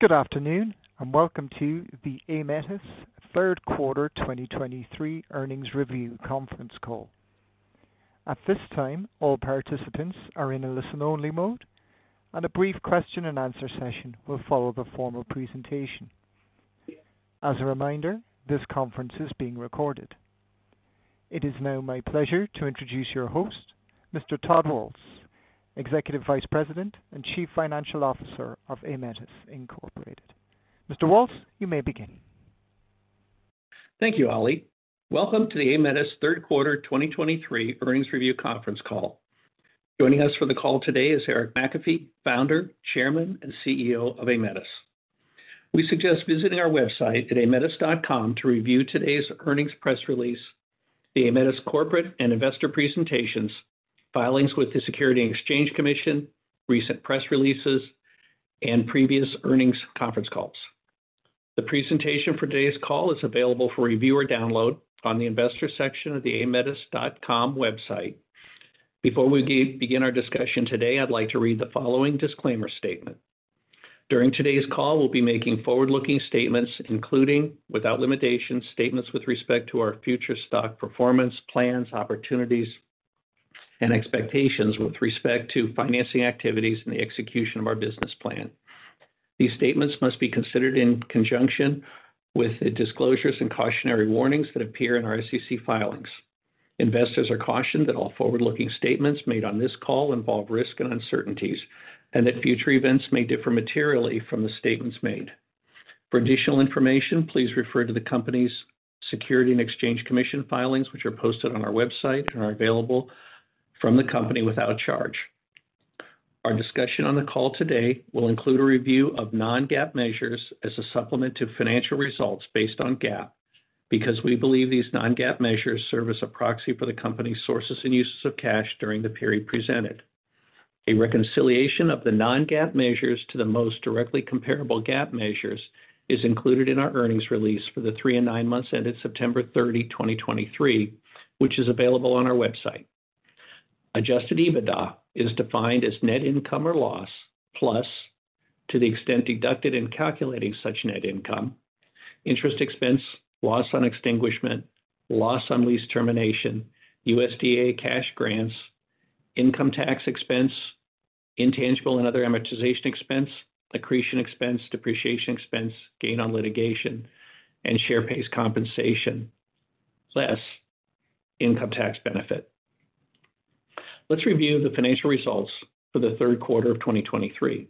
Good afternoon, and welcome to the Aemetis third quarter 2023 earnings review conference call. At this time, all participants are in a listen-only mode, and a brief question and answer session will follow the formal presentation. As a reminder, this conference is being recorded. It is now my pleasure to introduce your host, Mr. Todd Waltz, Executive Vice President and Chief Financial Officer of Aemetis Incorporated. Mr. Waltz, you may begin. Thank you, Ali. Welcome to the Aemetis third quarter 2023 earnings review conference call. Joining us for the call today is Eric McAfee, Founder, Chairman, and CEO of Aemetis. We suggest visiting our website at aemetis.com to review today's earnings press release, the Aemetis corporate and investor presentations, filings with the Securities and Exchange Commission, recent press releases, and previous earnings conference calls. The presentation for today's call is available for review or download on the Investor section of the aemetis.com website. Before we begin our discussion today, I'd like to read the following disclaimer statement. During today's call, we'll be making forward-looking statements, including, without limitation, statements with respect to our future stock performance, plans, opportunities, and expectations with respect to financing activities and the execution of our business plan. These statements must be considered in conjunction with the disclosures and cautionary warnings that appear in our SEC filings. Investors are cautioned that all forward-looking statements made on this call involve risk and uncertainties, and that future events may differ materially from the statements made. For additional information, please refer to the company's Securities and Exchange Commission filings, which are posted on our website and are available from the company without charge. Our discussion on the call today will include a review of non-GAAP measures as a supplement to financial results based on GAAP, because we believe these non-GAAP measures serve as a proxy for the company's sources and uses of cash during the period presented. A reconciliation of the non-GAAP measures to the most directly comparable GAAP measures is included in our earnings release for the three and nine months ended September 30, 2023, which is available on our website. Adjusted EBITDA is defined as net income or loss, plus, to the extent deducted in calculating such net income, interest expense, loss on extinguishment, loss on lease termination, USDA cash grants, income tax expense, intangible and other amortization expense, accretion expense, depreciation expense, gain on litigation, and share-based compensation, less income tax benefit. Let's review the financial results for the third quarter of 2023.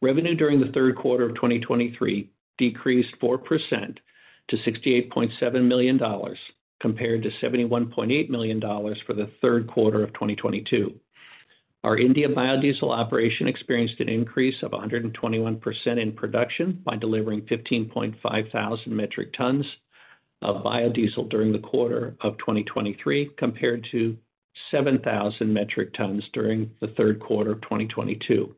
Revenue during the third quarter of 2023 decreased 4% to $68.7 million, compared to $71.8 million for the third quarter of 2022. Our India Biodiesel operation experienced an increase of 121% in production by delivering 15,500 metric tons of biodiesel during the quarter of 2023, compared to 7,000 metric tons during the third quarter of 2022.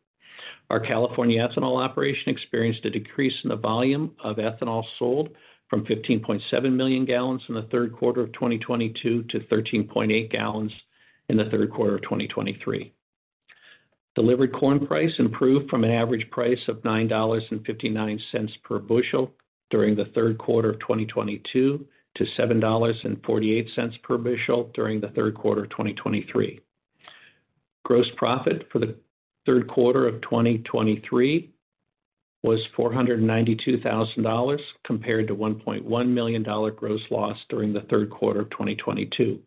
Our California Ethanol operation experienced a decrease in the volume of ethanol sold from 15.7 million gal in the third quarter of 2022 to 13.8 million gal in the third quarter of 2023. Delivered corn price improved from an average price of $9.59 per bushel during the third quarter of 2022 to $7.48 per bushel during the third quarter of 2023. Gross profit for the third quarter of 2023 was $492 thousand, compared to $1.1 million dollar gross loss during the third quarter of 2022.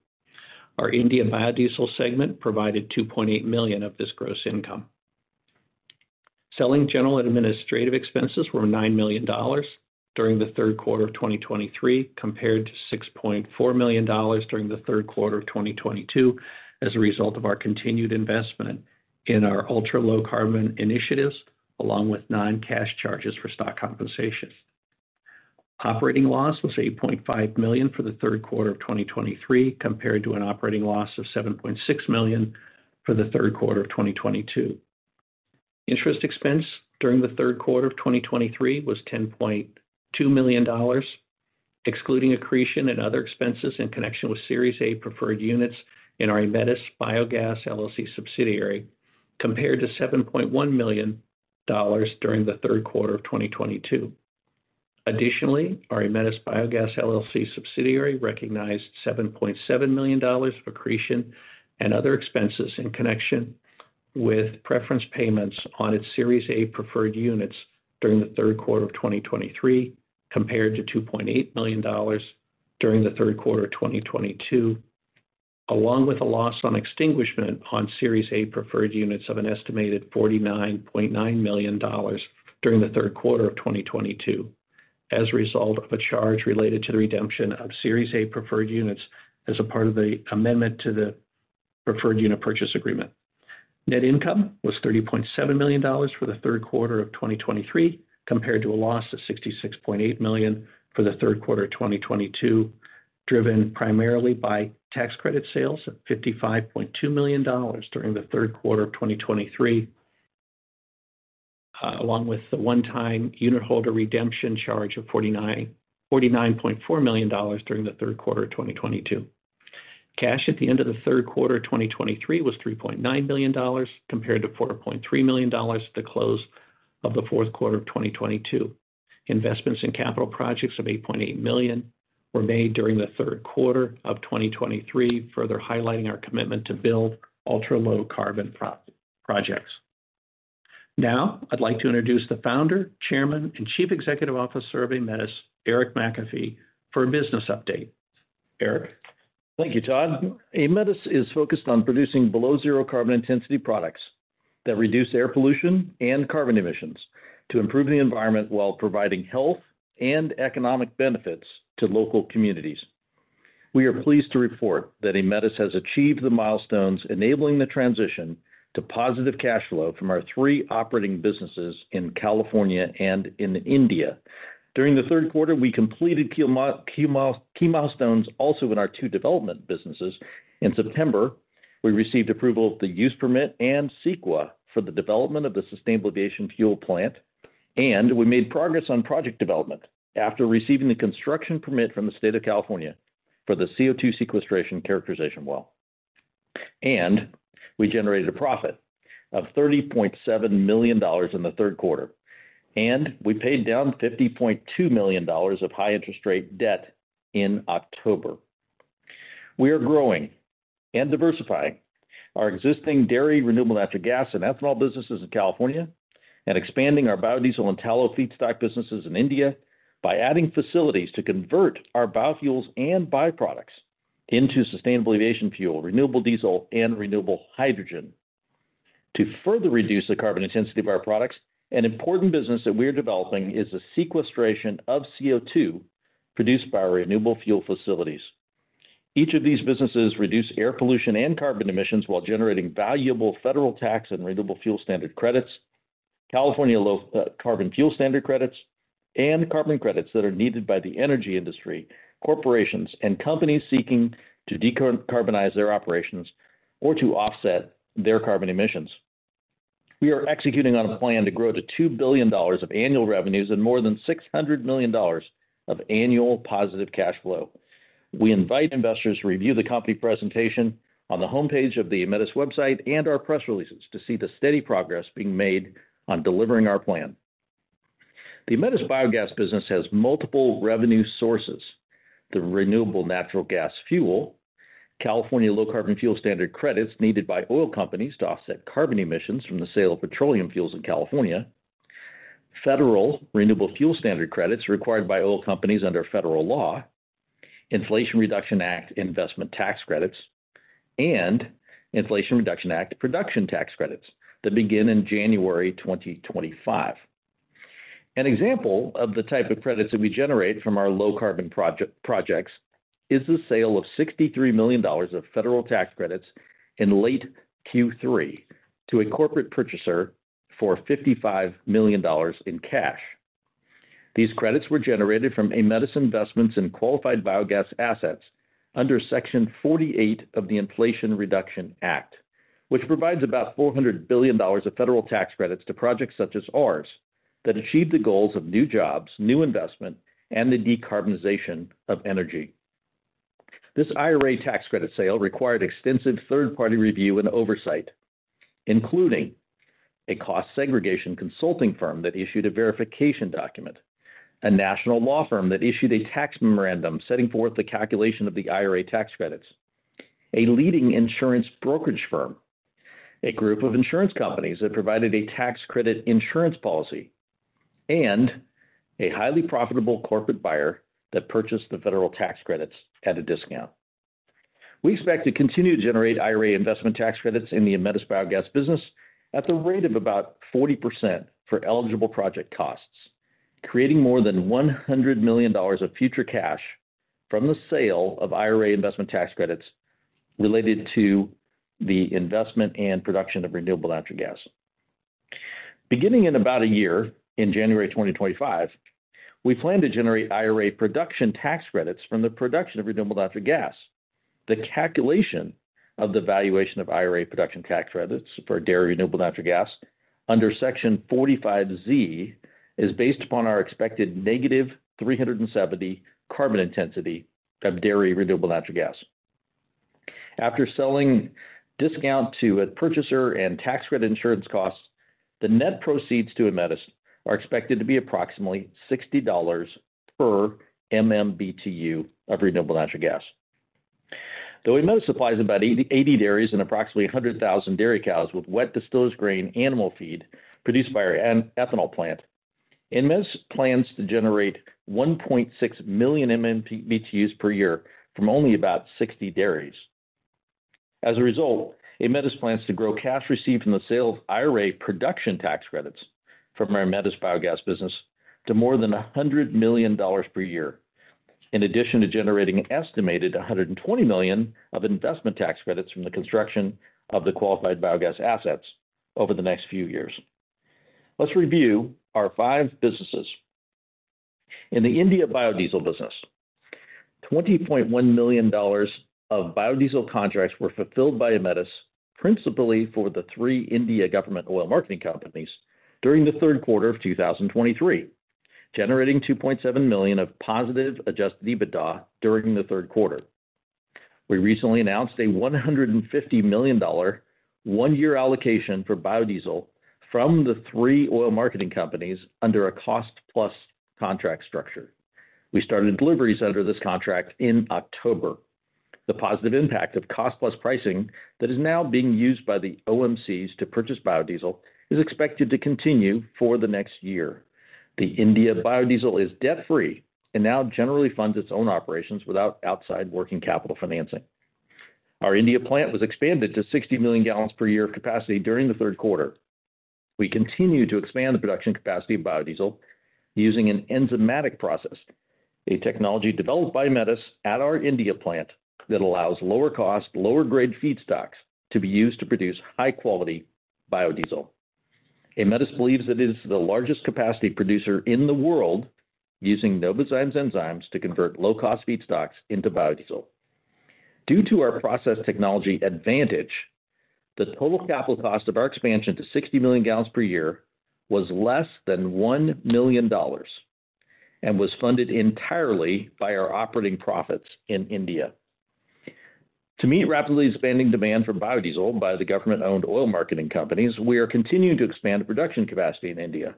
Our India Biodiesel segment provided $2.8 million of this gross income. Selling general and administrative expenses were $9 million during the third quarter of 2023, compared to $6.4 million during the third quarter of 2022, as a result of our continued investment in our ultra-low carbon initiatives, along with non-cash charges for stock compensation. Operating loss was $8.5 million for the third quarter of 2023, compared to an operating loss of $7.6 million for the third quarter of 2022. Interest expense during the third quarter of 2023 was $10.2 million, excluding accretion and other expenses in connection with Series A preferred units in our Aemetis Biogas LLC subsidiary, compared to $7.1 million during the third quarter of 2022. Additionally, our Aemetis Biogas LLC subsidiary recognized $7.7 million of accretion and other expenses in connection with preference payments on its Series A preferred units during the third quarter of 2023, compared to $2.8 million during the third quarter of 2022, along with a loss on extinguishment on Series A preferred units of an estimated $49.9 million during the third quarter of 2022, as a result of a charge related to the redemption of Series A preferred units as a part of the amendment to the preferred unit purchase agreement. Net income was $30.7 million for the third quarter of 2023, compared to a loss of $66.8 million for the third quarter of 2022, driven primarily by tax credit sales of $55.2 million during the third quarter of 2023, along with the one-time unitholder redemption charge of $49.4 million during the third quarter of 2022. Cash at the end of the third quarter of 2023 was $3.9 billion, compared to $4.3 million at the close of the fourth quarter of 2022. Investments in capital projects of $8.8 million were made during the third quarter of 2023, further highlighting our commitment to build ultra-low carbon projects. Now, I'd like to introduce the Founder, Chairman, and Chief Executive Officer of Aemetis, Eric McAfee, for a business update. Eric? Thank you, Todd. Aemetis is focused on producing below zero carbon intensity products that reduce air pollution and carbon emissions to improve the environment, while providing health and economic benefits to local communities. We are pleased to report that Aemetis has achieved the milestones, enabling the transition to positive cash flow from our three operating businesses in California and in India. During the third quarter, we completed key milestones also in our two development businesses. In September, we received approval of the use permit and CEQA for the development of the Sustainable Aviation Fuel plant, and we made progress on project development after receiving the construction permit from the state of California for the CO₂ sequestration characterization well. And we generated a profit of $30.7 million in the third quarter, and we paid down $50.2 million of high interest rate debt in October. We are growing and diversifying our existing dairy, Renewable Natural Gas, and ethanol businesses in California, and expanding our biodiesel and tallow feedstock businesses in India by adding facilities to convert our biofuels and byproducts into Sustainable Aviation Fuel, Renewable Diesel, and Renewable Hydrogen. To further reduce the carbon intensity of our products, an important business that we are developing is the sequestration of CO₂ produced by our renewable fuel facilities. Each of these businesses reduce air pollution and carbon emissions while generating valuable federal tax and renewable fuel standard credits, California Low Carbon Fuel Standard credits, and carbon credits that are needed by the energy industry, corporations, and companies seeking to decarbonize their operations or to offset their carbon emissions. We are executing on a plan to grow to $2 billion of annual revenues and more than $600 million of annual positive cash flow. We invite investors to review the company presentation on the homepage of the Aemetis website and our press releases to see the steady progress being made on delivering our plan. The Aemetis Biogas business has multiple revenue sources: the Renewable Natural Gas fuel, California Low Carbon Fuel Standard credits needed by oil companies to offset carbon emissions from the sale of petroleum fuels in California, federal Renewable Fuel Standard credits required by oil companies under federal law, Inflation Reduction Act investment tax credits, and Inflation Reduction Act production tax credits that begin in January 2025. An example of the type of credits that we generate from our low-carbon projects is the sale of $63 million of federal tax credits in late Q3 to a corporate purchaser for $55 million in cash. These credits were generated from Aemetis investments in qualified biogas assets under Section 48 of the Inflation Reduction Act, which provides about $400 billion of federal tax credits to projects such as ours, that achieve the goals of new jobs, new investment, and the decarbonization of energy. This IRA tax credit sale required extensive third-party review and oversight, including a cost segregation consulting firm that issued a verification document, a national law firm that issued a tax memorandum setting forth the calculation of the IRA tax credits, a leading insurance brokerage firm, a group of insurance companies that provided a tax credit insurance policy, and a highly profitable corporate buyer that purchased the federal tax credits at a discount. We expect to continue to generate IRA investment tax credits in the Aemetis Biogas business at the rate of about 40% for eligible project costs, creating more than $100 million of future cash from the sale of IRA investment tax credits related to the investment and production of Renewable Natural Gas. Beginning in about a year, in January 2025, we plan to generate IRA production tax credits from the production of Renewable Natural Gas. The calculation of the valuation of IRA production tax credits for dairy Renewable Natural Gas under Section 45Z is based upon our expected -370 carbon intensity of dairy Renewable Natural Gas. After selling discount to a purchaser and tax credit insurance costs, the net proceeds to Aemetis are expected to be approximately $60 per MMBtu of Renewable Natural Gas. Though Aemetis supplies about 80 dairies and approximately 100,000 dairy cows with wet distillers grain animal feed produced by our ethanol plant, Aemetis plans to generate 1.6 million MMBtus per year from only about 60 dairies. As a result, Aemetis plans to grow cash received from the sale of IRA production tax credits from our Aemetis Biogas business to more than $100 million per year, in addition to generating an estimated $120 million of investment tax credits from the construction of the qualified biogas assets over the next few years. Let's review our five businesses. In the India Biodiesel business, $20.1 million of biodiesel contracts were fulfilled by Aemetis, principally for the three India government oil marketing companies during the third quarter of 2023.... Generating 2.7 million of positive adjusted EBITDA during the third quarter. We recently announced a $150 million, one-year allocation for biodiesel from the three oil marketing companies under a cost-plus contract structure. We started deliveries under this contract in October. The positive impact of cost-plus pricing that is now being used by the OMCs to purchase biodiesel, is expected to continue for the next year. The India Biodiesel is debt-free and now generally funds its own operations without outside working capital financing. Our India plant was expanded to 60 million gal per year of capacity during the third quarter. We continue to expand the production capacity of biodiesel using an enzymatic process, a technology developed by Aemetis at our India plant, that allows lower cost, lower grade feedstocks to be used to produce high quality biodiesel. Aemetis believes it is the largest capacity producer in the world, using Novozymes enzymes to convert low-cost feedstocks into biodiesel. Due to our process technology advantage, the total capital cost of our expansion to 60 million gal per year was less than $1 million, and was funded entirely by our operating profits in India. To meet rapidly expanding demand for biodiesel by the government-owned oil marketing companies, we are continuing to expand the production capacity in India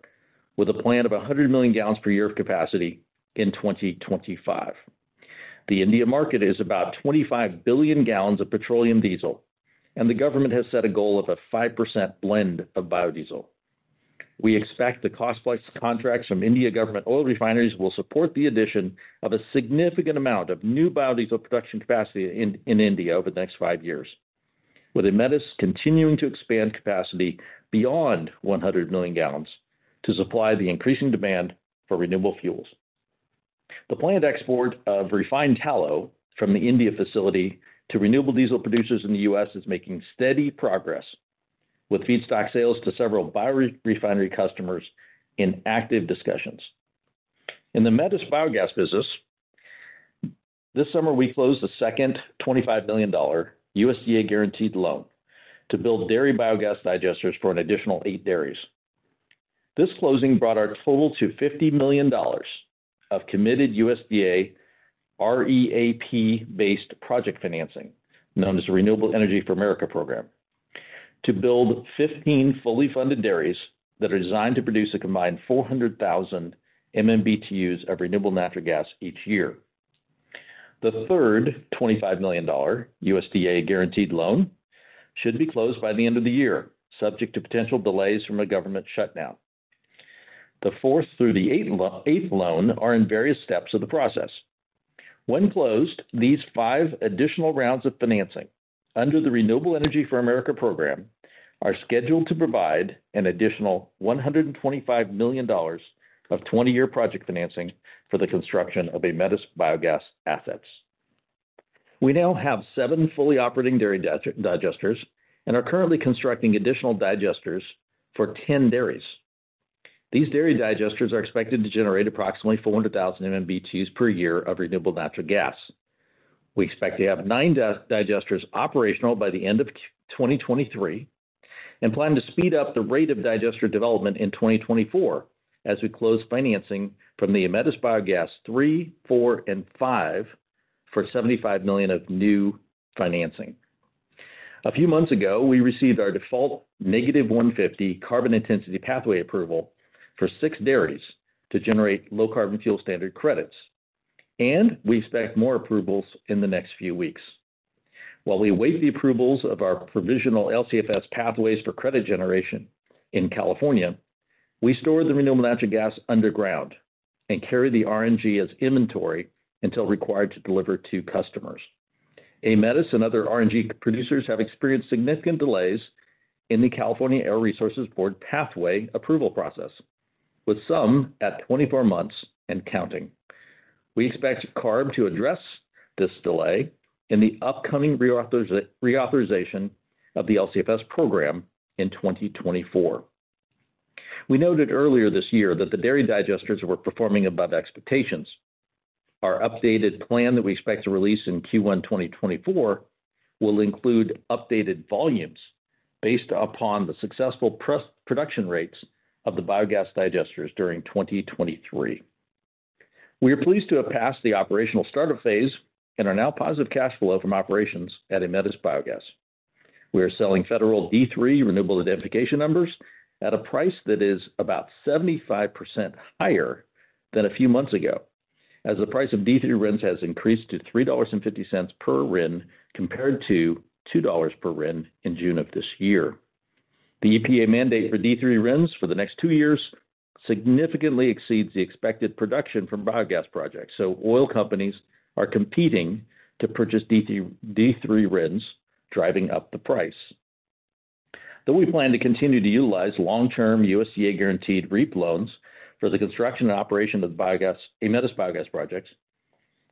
with a plan of 100 million gal per year of capacity in 2025. The India market is about 25 billion gal of petroleum diesel, and the government has set a goal of a 5% blend of biodiesel. We expect the cost-plus contracts from Indian government oil refineries will support the addition of a significant amount of new biodiesel production capacity in India over the next five years, with Aemetis continuing to expand capacity beyond 100 million gal to supply the increasing demand for renewable fuels. The planned export of refined tallow from the India facility to Renewable Diesel producers in the U.S. is making steady progress, with feedstock sales to several biorefinery customers in active discussions. In the Aemetis Biogas business, this summer, we closed the second $25 million USDA guaranteed loan to build dairy biogas digesters for an additional eight dairies. This closing brought our total to $50 million of committed USDA, REAP-based project financing, known as the Renewable Energy for America Program, to build 15 fully funded dairies that are designed to produce a combined 400,000 MMBtu of Renewable Natural Gas each year. The third $25 million USDA guaranteed loan should be closed by the end of the year, subject to potential delays from a government shutdown. The fourth through the eighth loan are in various steps of the process. When closed, these five additional rounds of financing under the Renewable Energy for America Program are scheduled to provide an additional $125 million of 20-year project financing for the construction of Aemetis Biogas assets. We now have seven fully operating dairy digesters and are currently constructing additional digesters for 10 dairies. These dairy digesters are expected to generate approximately 400,000 MMBtu per year of Renewable Natural Gas. We expect to have nine digesters operational by the end of 2023, and plan to speed up the rate of digester development in 2024, as we close financing from the Aemetis Biogas 3, 4, and 5 for $75 million of new financing. A few months ago, we received our default -150 carbon intensity pathway approval for six dairies to generate Low Carbon Fuel Standard credits, and we expect more approvals in the next few weeks. While we await the approvals of our provisional LCFS pathways for credit generation in California, we store the Renewable Natural Gas underground and carry the RNG as inventory until required to deliver to customers. Aemetis and other RNG producers have experienced significant delays in the California Air Resources Board pathway approval process, with some at 24 months and counting. We expect CARB to address this delay in the upcoming reauthorization of the LCFS program in 2024. We noted earlier this year that the dairy digesters were performing above expectations. Our updated plan that we expect to release in Q1 2024, will include updated volumes based upon the successful production rates of the biogas digesters during 2023. We are pleased to have passed the operational startup phase and are now positive cash flow from operations at Aemetis Biogas. We are selling federal D3 Renewable Identification Numbers at a price that is about 75% higher than a few months ago, as the price of D3 RINs has increased to $3.50 per RIN, compared to $2 per RIN in June of this year. The EPA mandate for D3 RINs for the next two years significantly exceeds the expected production from biogas projects, so oil companies are competing to purchase D3, D3 RINs, driving up the price. Though we plan to continue to utilize long-term USDA guaranteed REAP loans for the construction and operation of the Biogas, Aemetis Biogas projects,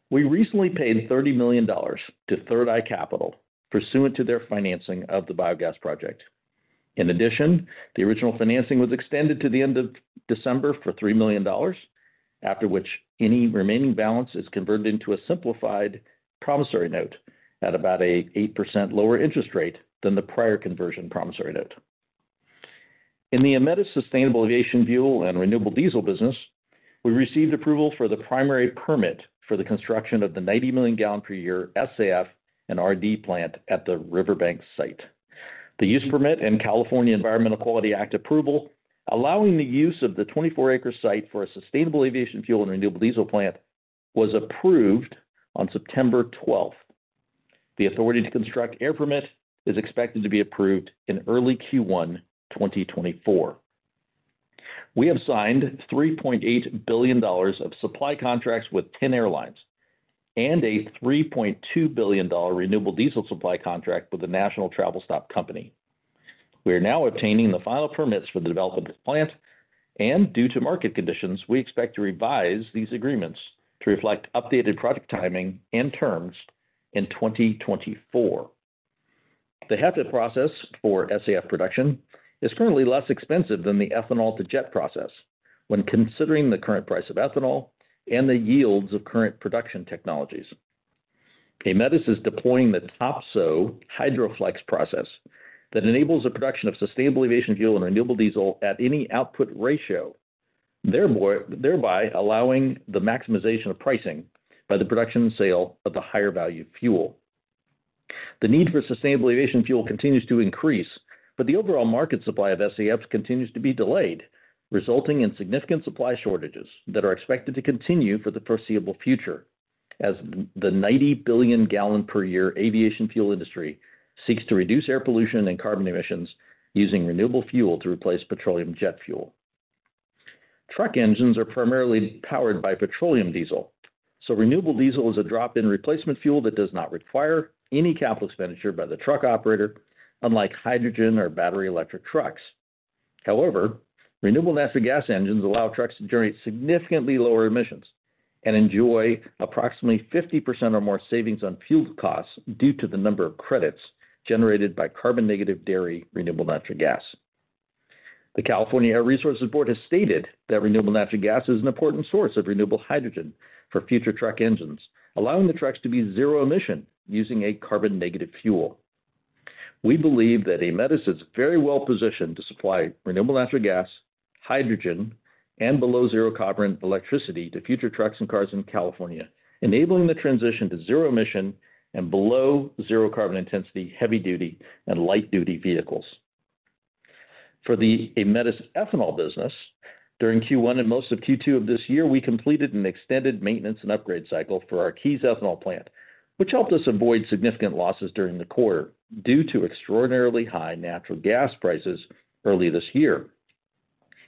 we recently paid $30 million to Third Eye Capital pursuant to their financing of the biogas project. In addition, the original financing was extended to the end of December for $3 million.... After which any remaining balance is converted into a simplified promissory note at about an 8% lower interest rate than the prior conversion promissory note. In the Aemetis Sustainable Aviation Fuel and Renewable Diesel business, we received approval for the primary permit for the construction of the 90 million gal per year SAF and RD plant at the Riverbank site. The use permit and California Environmental Quality Act approval, allowing the use of the 24-acre site for a Sustainable Aviation Fuel and Renewable Diesel plant, was approved on September 12th. The authority to construct air permit is expected to be approved in early Q1 2024. We have signed $3.8 billion of supply contracts with 10 airlines and a $3.2 billion Renewable Diesel supply contract with the national travel stops company. We are now obtaining the final permits for the development of this plant, and due to market conditions, we expect to revise these agreements to reflect updated project timing and terms in 2024. The HEFA process for SAF production is currently less expensive than the ethanol-to-jet process when considering the current price of ethanol and the yields of current production technologies. Aemetis is deploying the Topsoe HydroFlex process that enables the production of Sustainable Aviation Fuel and Renewable Diesel at any output ratio, thereby allowing the maximization of pricing by the production and sale of the higher value fuel. The need for Sustainable Aviation Fuel continues to increase, but the overall market supply of SAF continues to be delayed, resulting in significant supply shortages that are expected to continue for the foreseeable future, as the 90 billion gal per year aviation fuel industry seeks to reduce air pollution and carbon emissions using renewable fuel to replace petroleum jet fuel. Truck engines are primarily powered by petroleum diesel, so Renewable Diesel is a drop-in replacement fuel that does not require any capital expenditure by the truck operator, unlike hydrogen or battery electric trucks. However, Renewable Natural Gas engines allow trucks to generate significantly lower emissions and enjoy approximately 50% or more savings on fuel costs due to the number of credits generated by carbon-negative dairy Renewable Natural Gas. The California Air Resources Board has stated that Renewable Natural Gas is an important source of Renewable Hydrogen for future truck engines, allowing the trucks to be zero emission using a carbon-negative fuel. We believe that Aemetis is very well positioned to supply Renewable Natural Gas, hydrogen, and below zero carbon electricity to future trucks and cars in California, enabling the transition to zero emission and below zero carbon intensity, heavy-duty and light-duty vehicles. For the Aemetis ethanol business, during Q1 and most of Q2 of this year, we completed an extended maintenance and upgrade cycle for our Keyes Ethanol Plant, which helped us avoid significant losses during the quarter due to extraordinarily high natural gas prices early this year.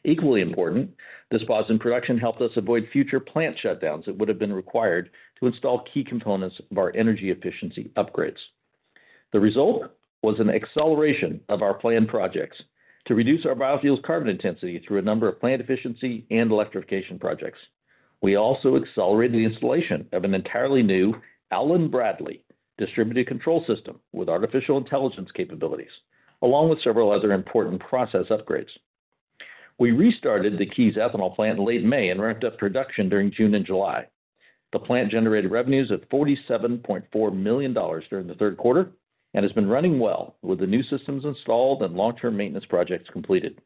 Equally important, the spots in production helped us avoid future plant shutdowns that would have been required to install key components of our energy efficiency upgrades. The result was an acceleration of our planned projects to reduce our biofuels carbon intensity through a number of plant efficiency and electrification projects. We also accelerated the installation of an entirely new Allen-Bradley distributed control system with artificial intelligence capabilities, along with several other important process upgrades. We restarted the Keyes Ethanol Plant in late May and ramped up production during June and July. The plant generated revenues of $47.4 million during the third quarter and has been running well with the new systems installed and long-term maintenance projects completed.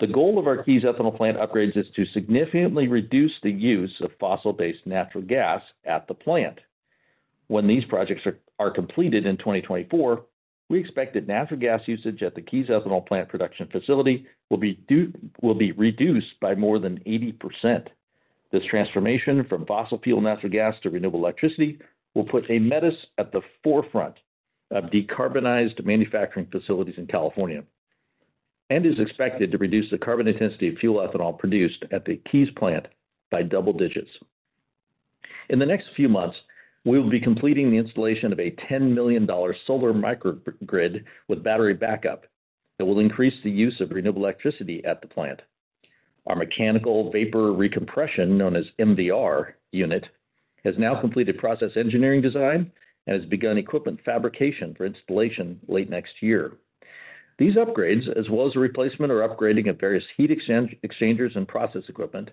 The goal of our Keyes Ethanol Plant upgrades is to significantly reduce the use of fossil-based natural gas at the plant. When these projects are completed in 2024, we expect that natural gas usage at the Keyes Ethanol Plant production facility will be reduced by more than 80%. This transformation from fossil fuel natural gas to renewable electricity will put Aemetis at the forefront of decarbonized manufacturing facilities in California, and is expected to reduce the carbon intensity of fuel ethanol produced at the Keyes Plant by double digits. In the next few months, we will be completing the installation of a $10 million solar micro grid with battery backup that will increase the use of renewable electricity at the plant. Our mechanical vapor recompression, known as MVR unit, has now completed process engineering design and has begun equipment fabrication for installation late next year. These upgrades, as well as the replacement or upgrading of various heat exchangers and process equipment,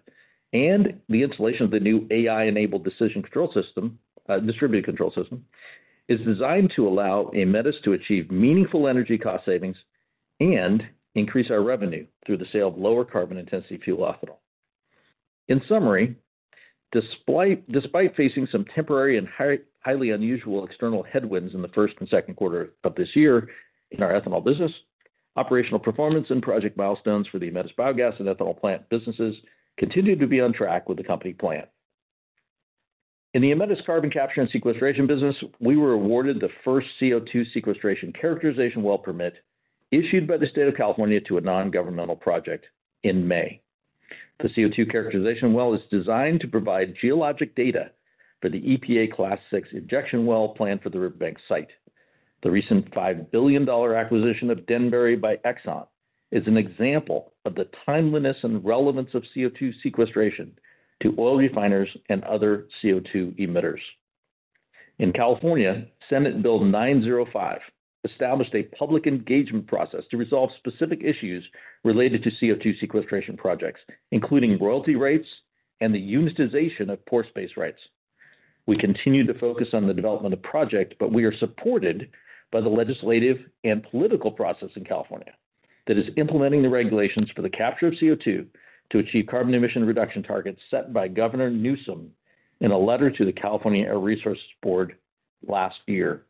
and the installation of the new AI-enabled decision control system, distributed control system, is designed to allow Aemetis to achieve meaningful energy cost savings and increase our revenue through the sale of lower carbon intensity fuel ethanol. In summary, despite facing some temporary and highly unusual external headwinds in the first and second quarter of this year in our ethanol business, operational performance and project milestones for the Aemetis Biogas and Ethanol Plant businesses continued to be on track with the company plan. In the Aemetis Carbon Capture and Sequestration business, we were awarded the first CO₂ sequestration characterization well permit issued by the state of California to a nongovernmental project in May. The CO₂ characterization well is designed to provide geologic data for the EPA Class VI injection well plan for the Riverbank site. The recent $5 billion acquisition of Denbury by Exxon is an example of the timeliness and relevance of CO₂ sequestration to oil refiners and other CO₂ emitters. In California, Senate Bill 905 established a public engagement process to resolve specific issues related to CO₂ sequestration projects, including royalty rates and the utilization of pore space rights. We continue to focus on the development of the project, but we are supported by the legislative and political process in California that is implementing the regulations for the capture of CO₂ to achieve carbon emission reduction targets set by Governor Newsom in a letter to the California Air Resources Board last year.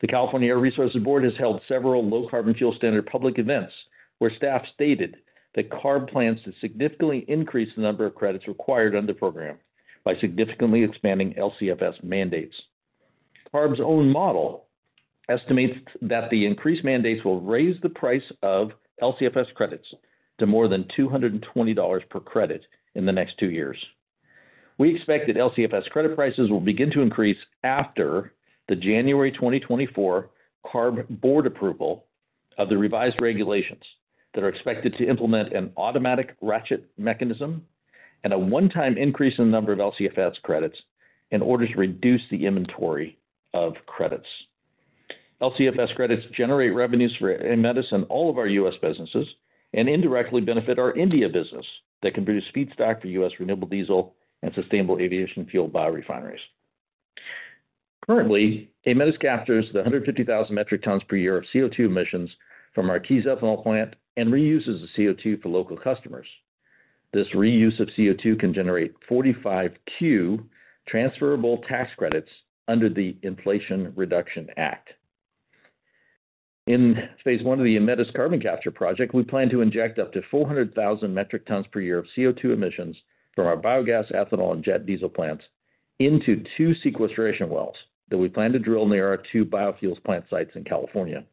The California Air Resources Board has held several Low Carbon Fuel Standard public events, where staff stated that CARB plans to significantly increase the number of credits required under the program by significantly expanding LCFS mandates. CARB's own model estimates that the increased mandates will raise the price of LCFS credits to more than $220 per credit in the next two years. We expect that LCFS credit prices will begin to increase after the January 2024 CARB board approval of the revised regulations that are expected to implement an automatic ratchet mechanism and a one-time increase in the number of LCFS credits in order to reduce the inventory of credits. LCFS credits generate revenues for Aemetis and all of our U.S. businesses, and indirectly benefit our India business. They can produce feedstock for U.S. Renewable Diesel and Sustainable Aviation Fuel biorefineries. Currently, Aemetis captures 150,000 metric tons per year of CO₂ emissions from our Keyes Ethanol Plant and reuses the CO₂ for local customers. This reuse of CO₂ can generate 45Q transferable tax credits under the Inflation Reduction Act. In phase I of the Aemetis Carbon Capture project, we plan to inject up to 400,000 metric tons per year of CO₂ emissions from our biogas, ethanol, and jet diesel plants into two sequestration wells that we plan to drill near our two biofuels plant sites in California.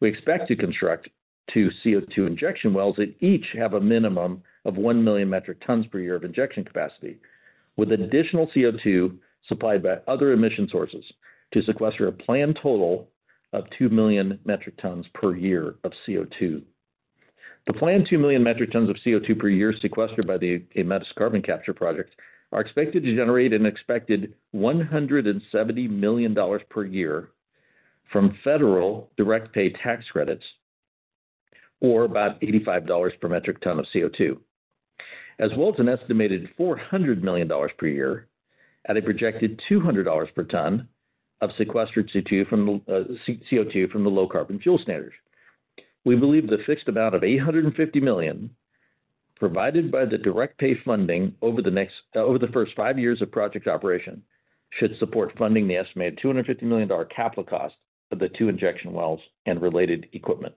We expect to construct two CO₂ injection wells that each have a minimum of 1 million metric tons per year of injection capacity, with additional CO₂ supplied by other emission sources to sequester a planned total of 2 million metric tons per year of CO₂. The planned 2 million metric tons of CO₂ per year sequestered by the Aemetis Carbon Capture project are expected to generate an expected $170 million per year from federal direct pay tax credits, or about $85 per metric ton of CO₂. As well as an estimated $400 million per year at a projected $200 per ton of sequestered CO₂ from the CO₂ from the Low Carbon Fuel Standard. We believe the fixed amount of $850 million provided by the direct pay funding over the next over the first five years of project operation, should support funding the estimated $250 million capital cost of the two injection wells and related equipment.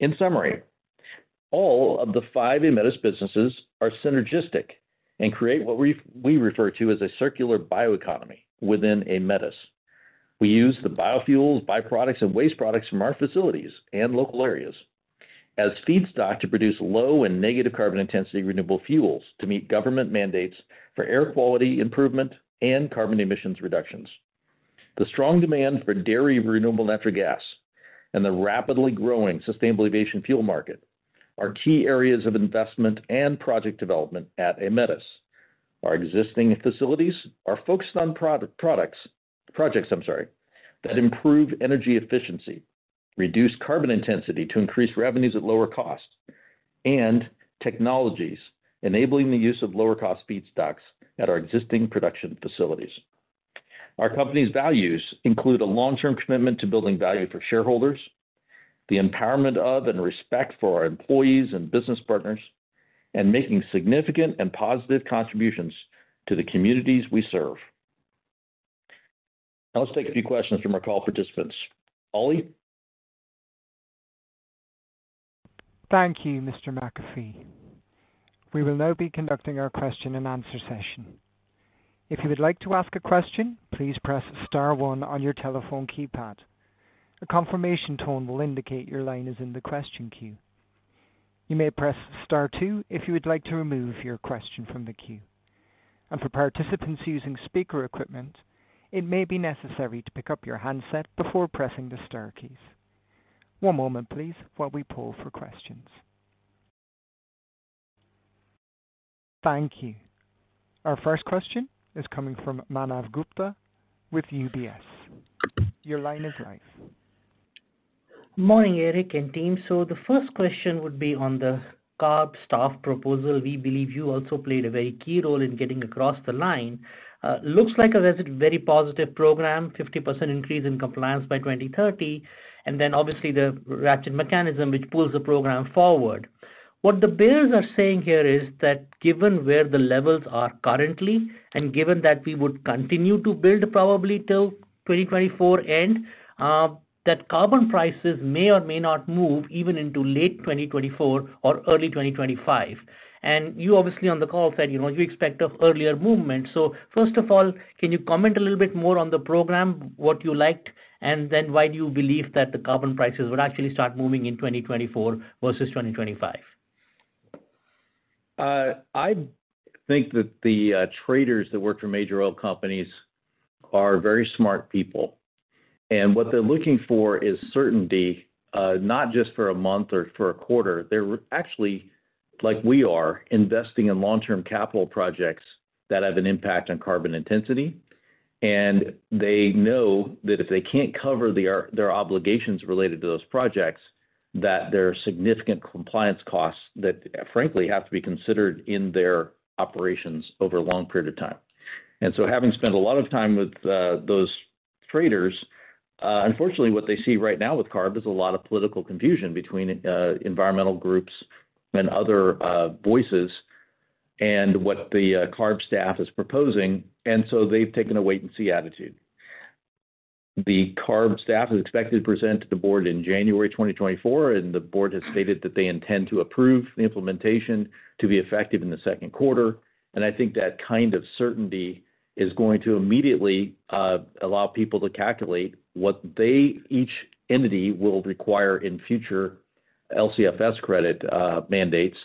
In summary, all of the five Aemetis businesses are synergistic and create what we, we refer to as a circular bioeconomy within Aemetis. We use the biofuels, byproducts, and waste products from our facilities and local areas as feedstock to produce low and negative carbon intensity renewable fuels to meet government mandates for air quality improvement and carbon emissions reductions. The strong demand for dairy Renewable Natural Gas and the rapidly growing Sustainable Aviation Fuel market are key areas of investment and project development at Aemetis. Our existing facilities are focused on products, projects, I'm sorry, that improve energy efficiency, reduce carbon intensity to increase revenues at lower costs, and technologies enabling the use of lower-cost feedstocks at our existing production facilities. Our company's values include a long-term commitment to building value for shareholders, the empowerment of and respect for our employees and business partners, and making significant and positive contributions to the communities we serve. Now, let's take a few questions from our call participants. Ali? Thank you, Mr. McAfee. We will now be conducting our question and answer session. If you would like to ask a question, please press star one on your telephone keypad. A confirmation tone will indicate your line is in the question queue. You may press star two if you would like to remove your question from the queue. And for participants using speaker equipment, it may be necessary to pick up your handset before pressing the star keys. One moment please, while we pull for questions. Thank you. Our first question is coming from Manav Gupta with UBS your line is live. Morning, Eric and team. So the first question would be on the CARB staff proposal. We believe you also played a very key role in getting across the line. Looks like a very positive program, 50% increase in compliance by 2030, and then obviously the ratchet mechanism, which pulls the program forward. What the bears are saying here is that, given where the levels are currently, and given that we would continue to build probably till 2024 end, that carbon prices may or may not move even into late 2024 or early 2025. And you obviously on the call said, you know, you expect of earlier movement. First of all, can you comment a little bit more on the program, what you liked, and then why do you believe that the carbon prices would actually start moving in 2024 versus 2025? I think that the traders that work for major oil companies are very smart people. And what they're looking for is certainty, not just for a month or for a quarter. They're actually, like we are, investing in long-term capital projects that have an impact on carbon intensity, and they know that if they can't cover their obligations related to those projects, that there are significant compliance costs that, frankly, have to be considered in their operations over a long period of time. And so having spent a lot of time with those traders, unfortunately, what they see right now with CARB is a lot of political confusion between environmental groups and other voices and what the CARB staff is proposing, and so they've taken a wait-and-see attitude. The CARB staff is expected to present to the board in January 2024, and the board has stated that they intend to approve the implementation to be effective in the second quarter. I think that kind of certainty is going to immediately allow people to calculate what each entity will require in future LCFS credit mandates.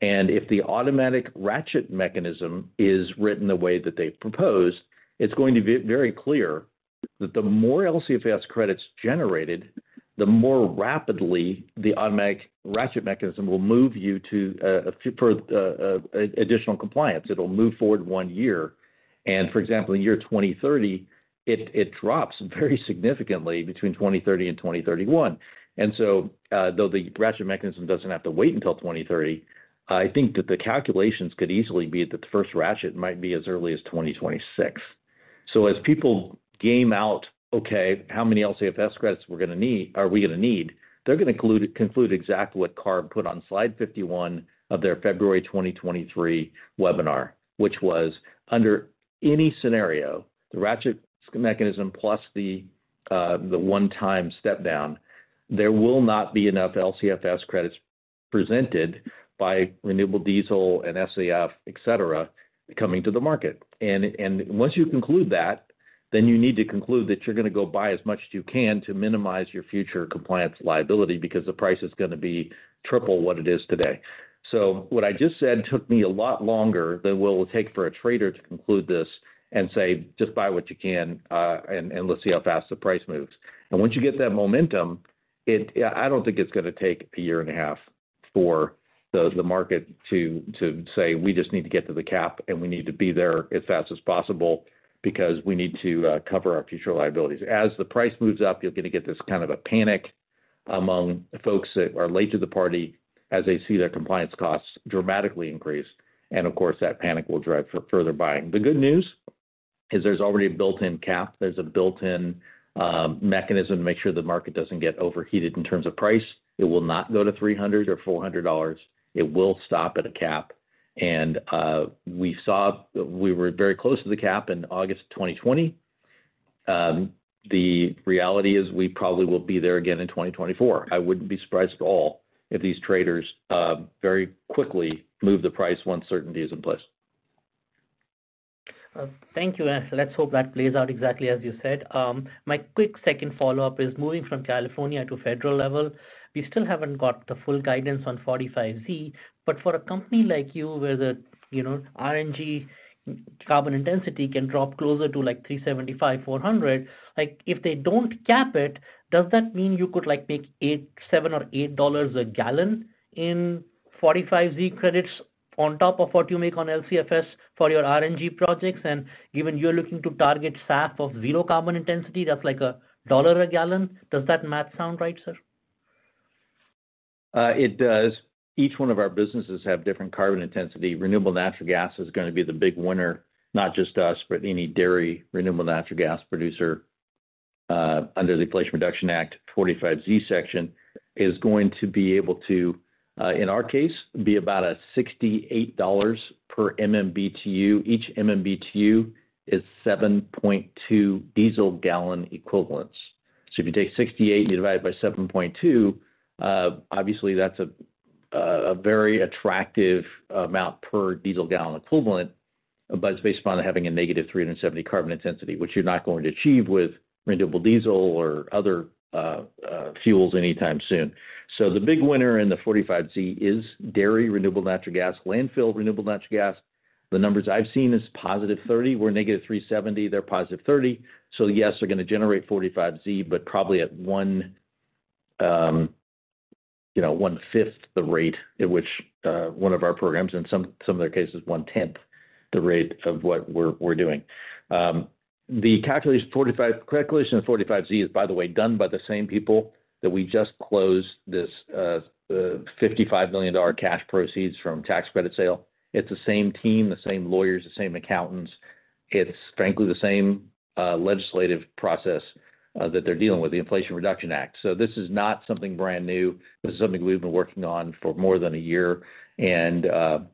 If the automatic ratchet mechanism is written the way that they've proposed, it's going to be very clear that the more LCFS credits generated, the more rapidly the automatic ratchet mechanism will move you to additional compliance. It'll move forward one year. For example, in the year 2030, it drops very significantly between 2030 and 2031. And so, though the ratchet mechanism doesn't have to wait until 2030, I think that the calculations could easily be that the first ratchet might be as early as 2026. So as people game out, okay, how many LCFS credits we're gonna need—are we gonna need? They're gonna conclude exactly what CARB put on slide 51 of their February 2023 webinar, which was, under any scenario, the ratchet mechanism, plus the one-time step down, there will not be enough LCFS credits presented by Renewable Diesel and SAF, et cetera, coming to the market. And once you conclude that, then you need to conclude that you're gonna go buy as much as you can to minimize your future compliance liability, because the price is gonna be triple what it is today. So what I just said took me a lot longer than will take for a trader to conclude this and say, "Just buy what you can, and let's see how fast the price moves." And once you get that momentum, it... I don't think it's gonna take a year and a half for the market to say, "We just need to get to the cap, and we need to be there as fast as possible because we need to cover our future liabilities." As the price moves up, you're gonna get this kind of a panic among folks that are late to the party as they see their compliance costs dramatically increased, and of course, that panic will drive further buying. The good news is there's already a built-in cap. There's a built-in, mechanism to make sure the market doesn't get overheated in terms of price. It will not go to $300 or $400. It will stop at a cap. And, we saw we were very close to the cap in August 2020. The reality is we probably will be there again in 2024. I wouldn't be surprised at all if these traders, very quickly move the price once certainty is in place. Thank you, and let's hope that plays out exactly as you said. My quick second follow-up is moving from California to federal level. We still haven't got the full guidance on 45Z, but for a company like you, where the, you know, RNG carbon intensity can drop closer to, like, 375-400, like, if they don't cap it, does that mean you could, like, make $7 or $8 dollars a gallon in 45Z credits on top of what you make on LCFS for your RNG projects? And given you're looking to target SAF of zero carbon intensity, that's like a dollar a gallon. Does that math sound right, sir? It does. Each one of our businesses have different carbon intensity. Renewable natural gas is gonna be the big winner, not just us, but any dairy Renewable Natural Gas producer, under the Inflation Reduction Act, Section 45Z, is going to be able to, in our case, be about $68 per MMBtu. Each MMBtu is 7.2 diesel gal equivalents. So if you take 68 and you divide it by 7.2, obviously that's a very attractive amount per diesel gallon equivalent, but it's based upon having a -370 carbon intensity, which you're not going to achieve with Renewable Diesel or other fuels anytime soon. So the big winner in the 45Z is dairy Renewable Natural Gas, landfill Renewable Natural Gas. The numbers I've seen is +30. We're -370, they're +30. So yes, they're gonna generate 45Z, but probably at one, you know, one-fifth the rate at which one of our programs in some of their cases, 1/10 the rate of what we're doing. The calculation of 45Z is, by the way, done by the same people that we just closed this $55 million cash proceeds from tax credit sale. It's the same team, the same lawyers, the same accountants. It's frankly the same legislative process that they're dealing with, the Inflation Reduction Act. So this is not something brand new. This is something we've been working on for more than a year, and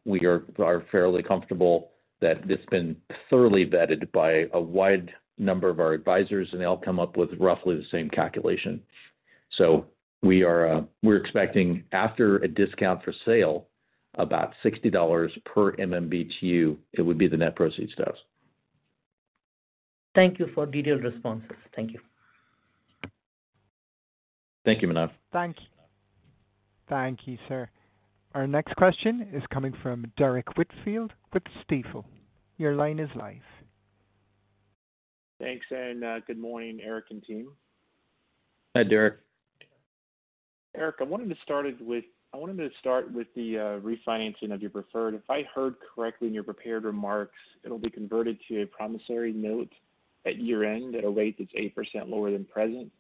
we are fairly comfortable that it's been thoroughly vetted by a wide number of our advisors, and they all come up with roughly the same calculation. So we are, we're expecting, after a discount for sale, about $60 per MMBtu, it would be the net proceeds to us. Thank you for detailed responses, thank you.... Thank you, Manav. Thank you. Thank you, sir. Our next question is coming from Derrick Whitfield with Stifel your line is live. Thanks, and, good morning, Eric and team. Hi, Derrick. Eric, I wanted to start with the refinancing of your preferred. If I heard correctly in your prepared remarks, it'll be converted to a promissory note at year-end at a rate that's 8% lower than present.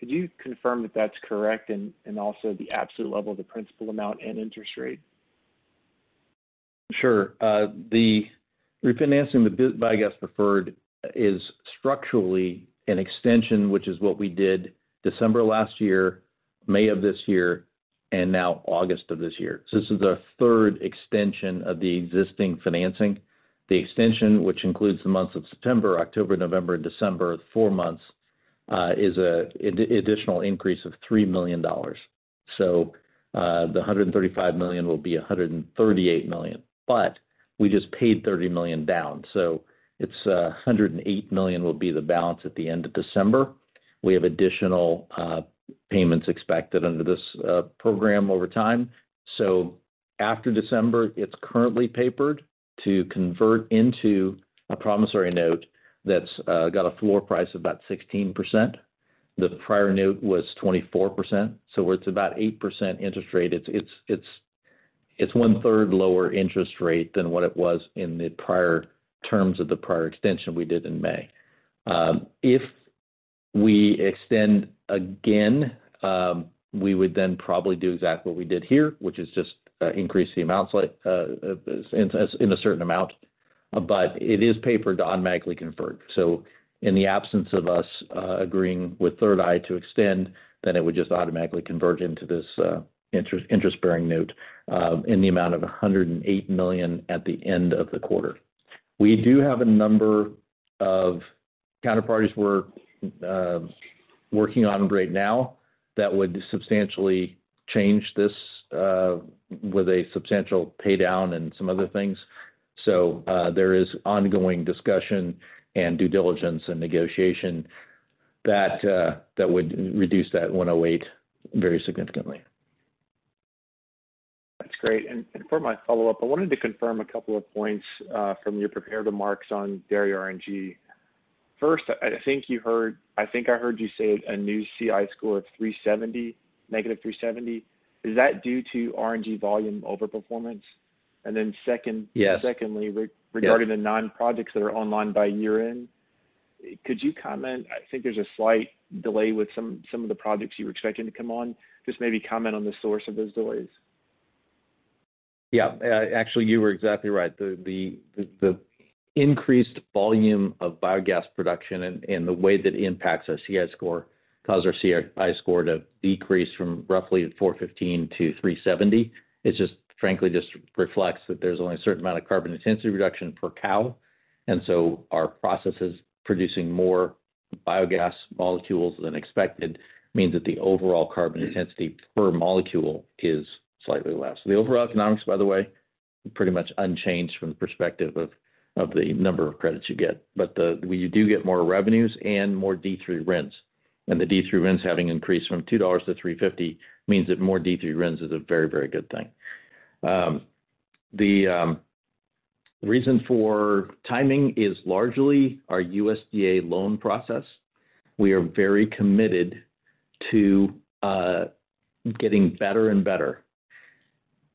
Could you confirm that that's correct and also the absolute level of the principal amount and interest rate? Sure. The refinancing the biogas preferred is structurally an extension, which is what we did December last year, May of this year, and now August of this year. So this is our third extension of the existing financing. The extension, which includes the months of September, October, November, and December, four months, is an additional increase of $3 million. So, the $135 million will be $138 million, but we just paid $30 million down, so it's, $108 million will be the balance at the end of December. We have additional, payments expected under this, program over time. So after December, it's currently papered to convert into a promissory note that's, got a floor price of about 16%. The prior note was 24%, so it's about 8% interest rate. It's 1/3 lower interest rate than what it was in the prior terms of the prior extension we did in May. If we extend again, we would then probably do exactly what we did here, which is just increase the amounts, like, in, as in a certain amount, but it is papered to automatically convert. So in the absence of us agreeing with Third Eye to extend, then it would just automatically convert into this interest-bearing note in the amount of $108 million at the end of the quarter. We do have a number of counterparties we're working on right now that would substantially change this with a substantial paydown and some other things. There is ongoing discussion and due diligence and negotiation that, that would reduce that 108 very significantly. That's great. And for my follow-up, I wanted to confirm a couple of points from your prepared remarks on dairy RNG. First, I think you heard, I think I heard you say a new CI score of 370, -370. Is that due to RNG volume overperformance? And then second- Yes. Secondly, re- Yeah. Regarding the nine projects that are online by year-end, could you comment, I think there's a slight delay with some of the projects you were expecting to come on. Just maybe comment on the source of those delays? Yeah. Actually, you were exactly right. The increased volume of biogas production and the way that it impacts our CI score caused our CI score to decrease from roughly 415-370. It's just, frankly, just reflects that there's only a certain amount of carbon intensity reduction per cow, and so our processes producing more biogas molecules than expected means that the overall carbon intensity per molecule is slightly less. The overall economics, by the way, pretty much unchanged from the perspective of the number of credits you get. But we do get more revenues and more D3 RINs. And the D3 RINs, having increased from $2-$3.50, means that more D3 RINs is a very, very good thing. The reason for timing is largely our USDA loan process. We are very committed to getting better and better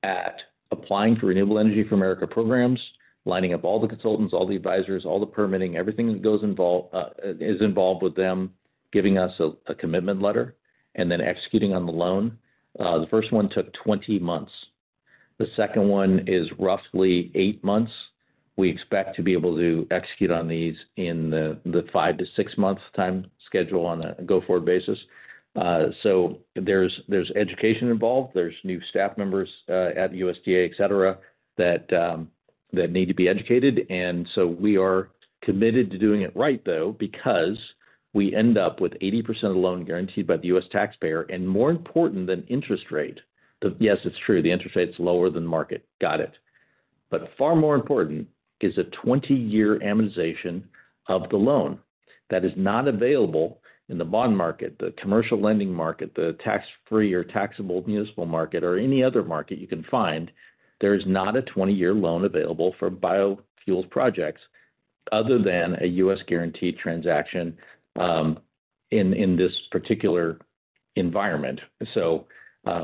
at applying for Renewable Energy for America programs, lining up all the consultants, all the advisors, all the permitting, everything that is involved with them, giving us a commitment letter and then executing on the loan. The first one took 20 months. The second one is roughly eight months. We expect to be able to execute on these in the five to six months time schedule on a go-forward basis. So there's education involved. There's new staff members at USDA, et cetera, that need to be educated, and so we are committed to doing it right, though, because we end up with 80% of the loan guaranteed by the U.S. taxpayer, and more important than interest rate, the. Yes, it's true, the interest rate is lower than market. Got it. But far more important is a 20-year amortization of the loan that is not available in the bond market, the commercial lending market, the tax-free or taxable municipal market, or any other market you can find. There is not a 20-year loan available for biofuels projects other than a U.S. guaranteed transaction in this particular environment. So,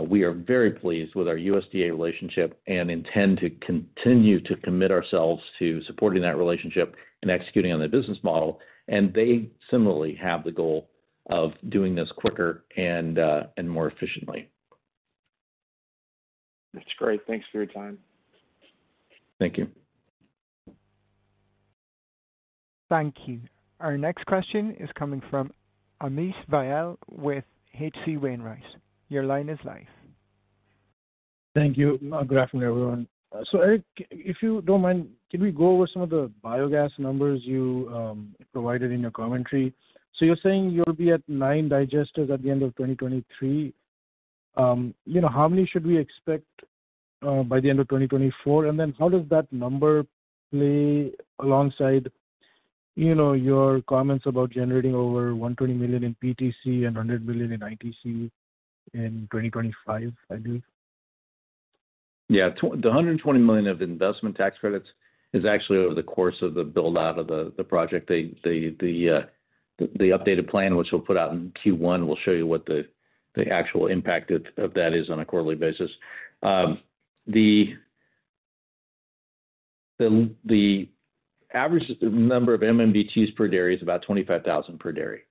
we are very pleased with our USDA relationship and intend to continue to commit ourselves to supporting that relationship and executing on the business model, and they similarly have the goal of doing this quicker and more efficiently. That's great. Thanks for your time. Thank you. Thank you. Our next question is coming from Amit Dayal with H.C. Wainwright. Your line is live. Thank you. Good afternoon, everyone. So, Eric, if you don't mind, can we go over some of the biogas numbers you provided in your commentary? So you're saying you'll be at nine digesters at the end of 2023? You know, how many should we expect by the end of 2024? And then how does that number play alongside, you know, your comments about generating over $120 million in PTC and $100 million in ITC in 2025, I believe? Yeah. The $120 million of investment tax credits is actually over the course of the build-out of the project. The updated plan, which we'll put out in Q1, will show you what the actual impact of that is on a quarterly basis. The average number of MMBtu per dairy is about 25,000 per dairy.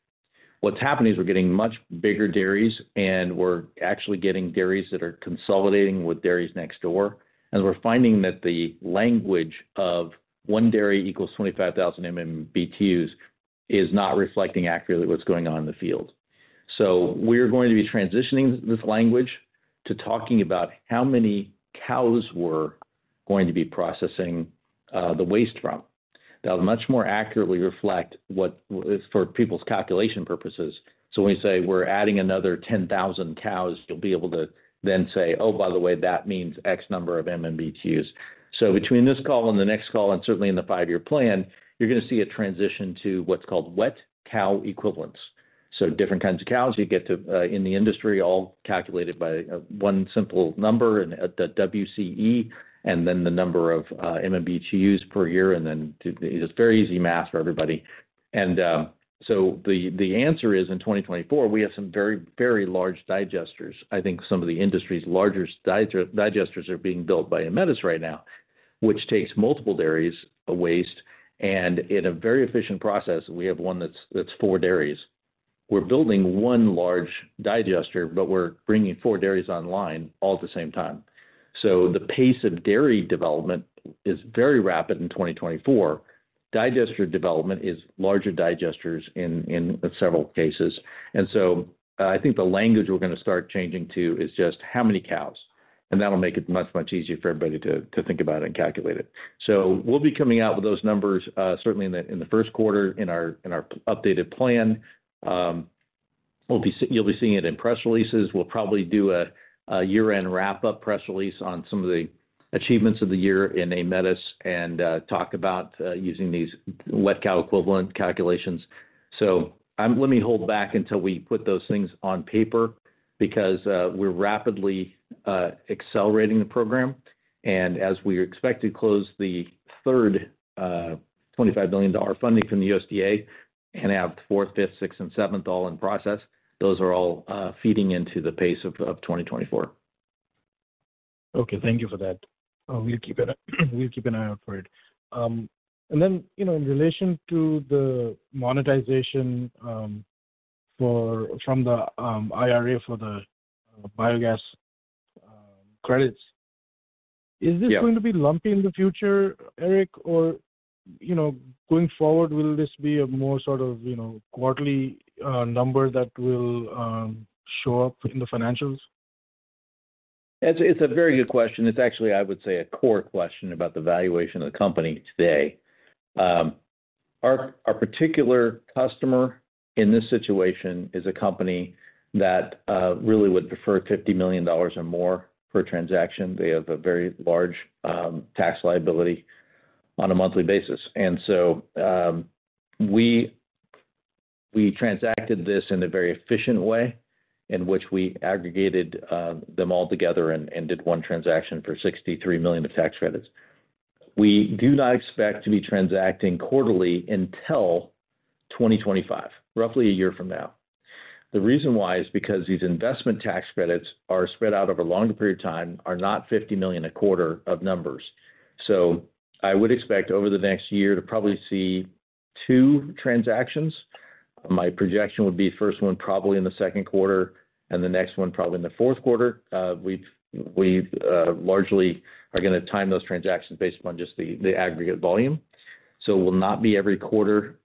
What's happened is we're getting much bigger dairies, and we're actually getting dairies that are consolidating with dairies next door. And we're finding that the language of one dairy equals 25,000 MMBtu is not reflecting accurately what's going on in the field. So we're going to be transitioning this language to talking about how many cows we're going to be processing the waste from. That'll much more accurately reflect what for people's calculation purposes. So when we say we're adding another 10,000 cows, you'll be able to then say, "Oh, by the way, that means X number of MMBtus." So between this call and the next call, and certainly in the five-year plan, you're going to see a transition to what's called wet cow equivalents. So different kinds of cows you get to in the industry, all calculated by one simple number and at the WCE, and then the number of MMBtus per year, and then to... It's very easy math for everybody. And so the answer is, in 2024, we have some very, very large digesters. I think some of the industry's largest digesters are being built by Aemetis right now, which takes multiple dairies of waste, and in a very efficient process, we have one that's four dairies. We're building one large digester, but we're bringing four dairies online all at the same time. So the pace of dairy development is very rapid in 2024. Digester development is larger digesters in several cases. And so I think the language we're going to start changing to is just how many cows, and that'll make it much, much easier for everybody to think about and calculate it. So we'll be coming out with those numbers certainly in the first quarter in our updated plan. You'll be seeing it in press releases. We'll probably do a year-end wrap-up press release on some of the achievements of the year in Aemetis and talk about using these wet cow equivalent calculations. So, let me hold back until we put those things on paper, because we're rapidly accelerating the program. As we expect to close the third $25 billion funding from the USDA and have fourth, fifth, sixth, and seventh all in process, those are all feeding into the pace of 2024. Okay, thank you for that. We'll keep an eye out for it. And then, you know, in relation to the monetization from the IRA for the biogas credits- Yeah. Is this going to be lumpy in the future, Eric, or, you know, going forward, will this be a more sort of, you know, quarterly number that will show up in the financials? It's, it's a very good question. It's actually, I would say, a core question about the valuation of the company today. Our particular customer in this situation is a company that really would prefer $50 million or more per transaction. They have a very large tax liability on a monthly basis. And so, we transacted this in a very efficient way, in which we aggregated them all together and did one transaction for $63 million of tax credits. We do not expect to be transacting quarterly until 2025, roughly a year from now. The reason why is because these investment tax credits are spread out over a longer period of time, are not $50 million a quarter of numbers. So I would expect over the next year to probably see two transactions. My projection would be first one probably in the second quarter and the next one probably in the fourth quarter. We've largely are going to time those transactions based upon just the aggregate volume. So it will not be every quarter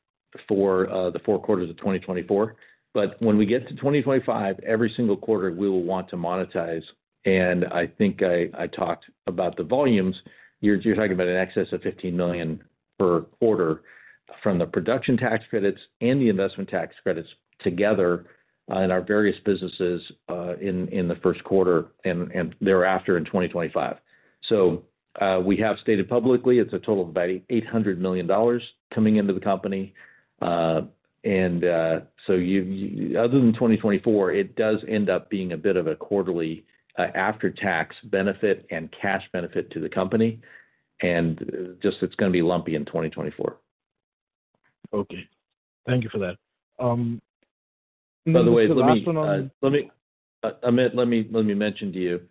for the four quarters of 2024. But when we get to 2025, every single quarter, we will want to monetize. And I think I talked about the volumes. You're talking about in excess of 15 million per quarter from the production tax credits and the investment tax credits together in our various businesses in the first quarter and thereafter in 2025. So we have stated publicly, it's a total of about $800 million coming into the company. Other than 2024, it does end up being a bit of a quarterly after-tax benefit and cash benefit to the company, and just it's going to be lumpy in 2024. Okay thank you for that. By the way, let me- The last one on- Let me, Amit, let me, let me mention to you,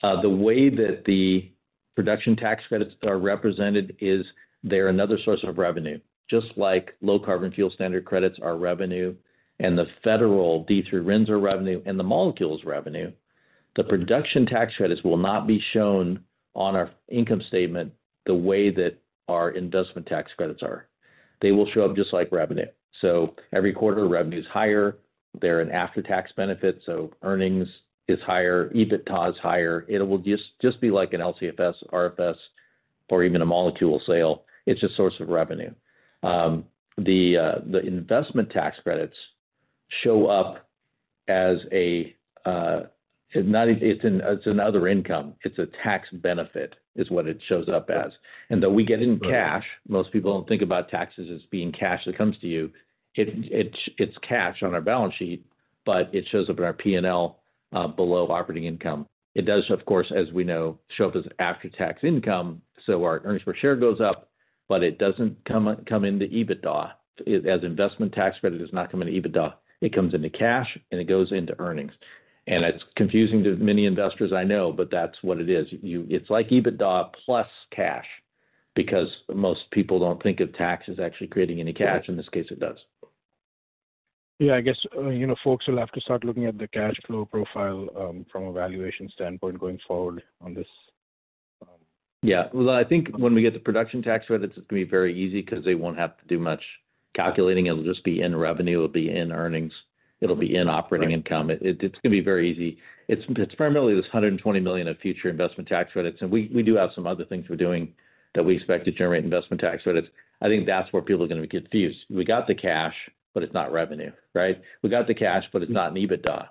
the way that the production tax credits are represented is they're another source of revenue. Just like Low Carbon Fuel Standard credits are revenue, and the federal D3 RINs are revenue, and the molecules revenue, the production tax credits will not be shown on our income statement the way that our investment tax credits are. They will show up just like revenue. So every quarter, revenue is higher. They're an after-tax benefit, so earnings is higher, EBITDA is higher. It will just, just be like an LCFS, RFS, or even a molecule sale, it's a source of revenue. The investment tax credits show up as another income. It's a tax benefit, is what it shows up as. Though we get it in cash, most people don't think about taxes as being cash that comes to you. It, it's, it's cash on our balance sheet, but it shows up in our P&L below operating income. It does, of course, as we know, show up as after-tax income, so our earnings per share goes up, but it doesn't come, come into EBITDA. As investment tax credit, it does not come into EBITDA. It comes into cash, and it goes into earnings. And it's confusing to many investors, I know, but that's what it is. You. It's like EBITDA plus cash, because most people don't think of tax as actually creating any cash. In this case, it does. Yeah, I guess, you know, folks will have to start looking at the cash flow profile, from a valuation standpoint going forward on this, Yeah. Well, I think when we get to production tax credits, it's gonna be very easy because they won't have to do much calculating. It'll just be in revenue, it'll be in earnings, it'll be in operating income. Right. It's gonna be very easy. It's primarily this $120 million in future investment tax credits, and we do have some other things we're doing that we expect to generate investment tax credits. I think that's where people are gonna get confused. We got the cash, but it's not revenue, right? We got the cash, but it's not in EBITDA.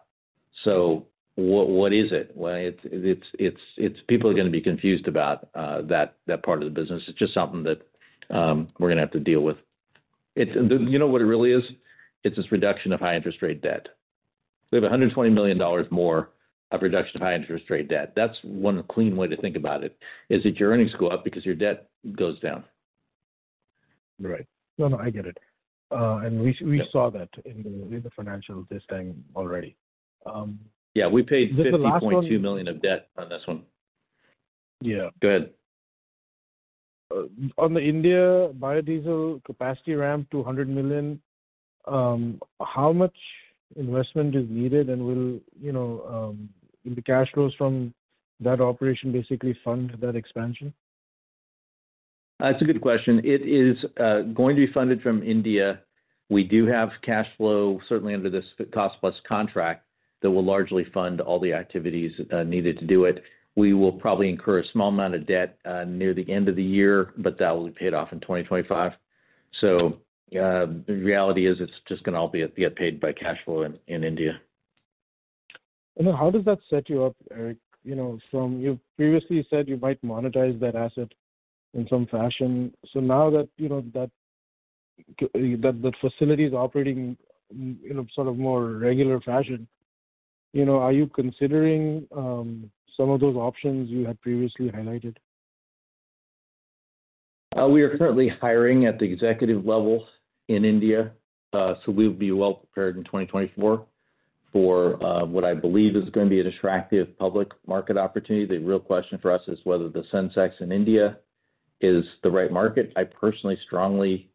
So what is it? Well, it's-- people are gonna be confused about that part of the business. It's just something that we're gonna have to deal with. It's... You know what it really is? It's this reduction of high-interest rate debt. We have $120 million more of reduction of high-interest rate debt. That's one clean way to think about it, is that your earnings go up because your debt goes down. Right. No, no, I get it. And we, we- Yeah.... Saw that in the financial this time already. Yeah, we paid- Is this the last one?... $50.2 million of debt on this one. Yeah. Go ahead. On the India Biodiesel capacity ramp to 100 million, how much investment is needed, and will, you know, the cash flows from that operation basically fund that expansion? That's a good question. It is going to be funded from India. We do have cash flow, certainly under this cost-plus contract, that will largely fund all the activities needed to do it. We will probably incur a small amount of debt near the end of the year, but that will be paid off in 2025. So, the reality is it's just gonna all be get paid by cash flow in India. How does that set you up, Eric? You know, from, you previously said you might monetize that asset in some fashion. So now that, you know, the facility is operating in sort of more regular fashion, you know, are you considering some of those options you had previously highlighted? We are currently hiring at the executive level in India, so we'll be well-prepared in 2024 for what I believe is gonna be an attractive public market opportunity. The real question for us is whether the Sensex in India is the right market. I personally strongly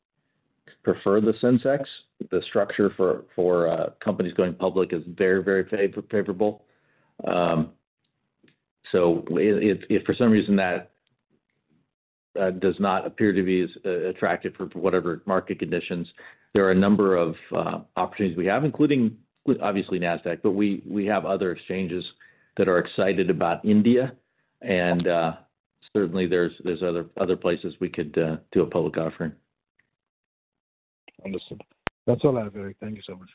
prefer the Sensex. The structure for companies going public is very, very favorable. So if for some reason that does not appear to be as attractive for whatever market conditions, there are a number of opportunities we have, including obviously Nasdaq, but we have other exchanges that are excited about India, and certainly there's other places we could do a public offering. Understood. That's all I have, Eric. Thank you so much.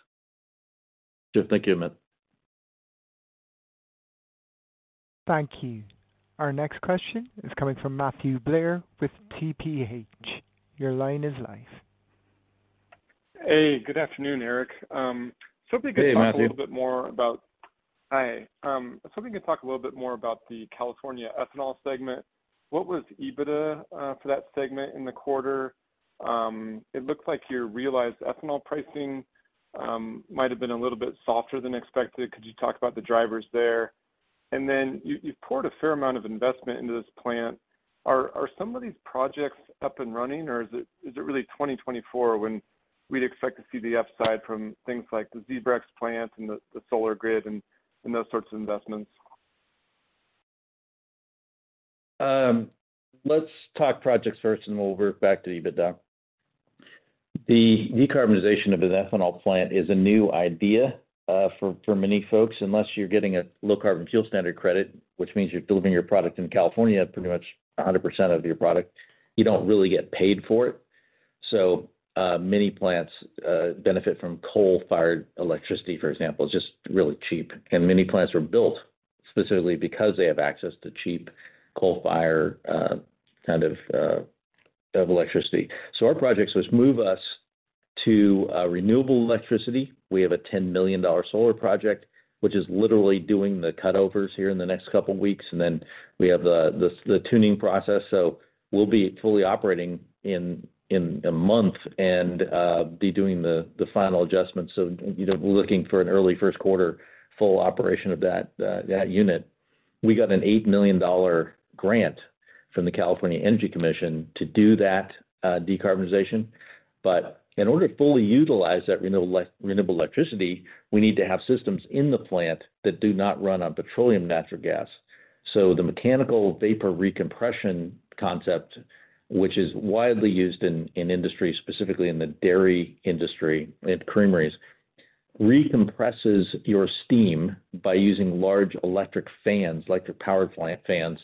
Sure. Thank you, Amit. Thank you. Our next question is coming from Matthew Blair with TPH. Your line is live. Hey, good afternoon, Eric. So if we could talk- Hey, Matthew. Hi, so if we could talk a little bit more about the California Ethanol segment. What was EBITDA for that segment in the quarter? It looks like your realized ethanol pricing might have been a little bit softer than expected. Could you talk about the drivers there? And then, you've poured a fair amount of investment into this plant. Are some of these projects up and running, or is it really 2024 when we'd expect to see the upside from things like the ZEBREX plant and the solar grid and those sorts of investments? Let's talk projects first, and we'll work back to EBITDA. The decarbonization of an ethanol plant is a new idea for many folks. Unless you're getting a Low Carbon Fuel Standard credit, which means you're delivering your product in California, pretty much 100% of your product, you don't really get paid for it. So, many plants benefit from coal-fired electricity, for example, it's just really cheap. And many plants were built specifically because they have access to cheap coal-fired kind of electricity. So our projects which move us to renewable electricity, we have a $10 million solar project, which is literally doing the cutovers here in the next couple of weeks, and then we have the tuning process. So we'll be fully operating in a month and be doing the final adjustments. So, you know, we're looking for an early first quarter full operation of that unit. We got an $8 million grant from the California Energy Commission to do that decarbonization. But in order to fully utilize that renewable electricity, we need to have systems in the plant that do not run on petroleum natural gas. So the mechanical vapor recompression concept, which is widely used in industry, specifically in the dairy industry, in creameries, re-compresses your steam by using large electric fans, electric powered supply fans,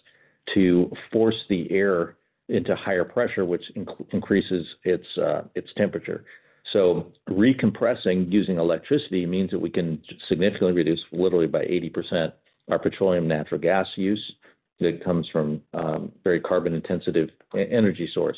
to force the air into higher pressure, which increases its temperature. So recompressing using electricity means that we can significantly reduce, literally by 80%, our petroleum natural gas use that comes from very carbon-intensive energy source.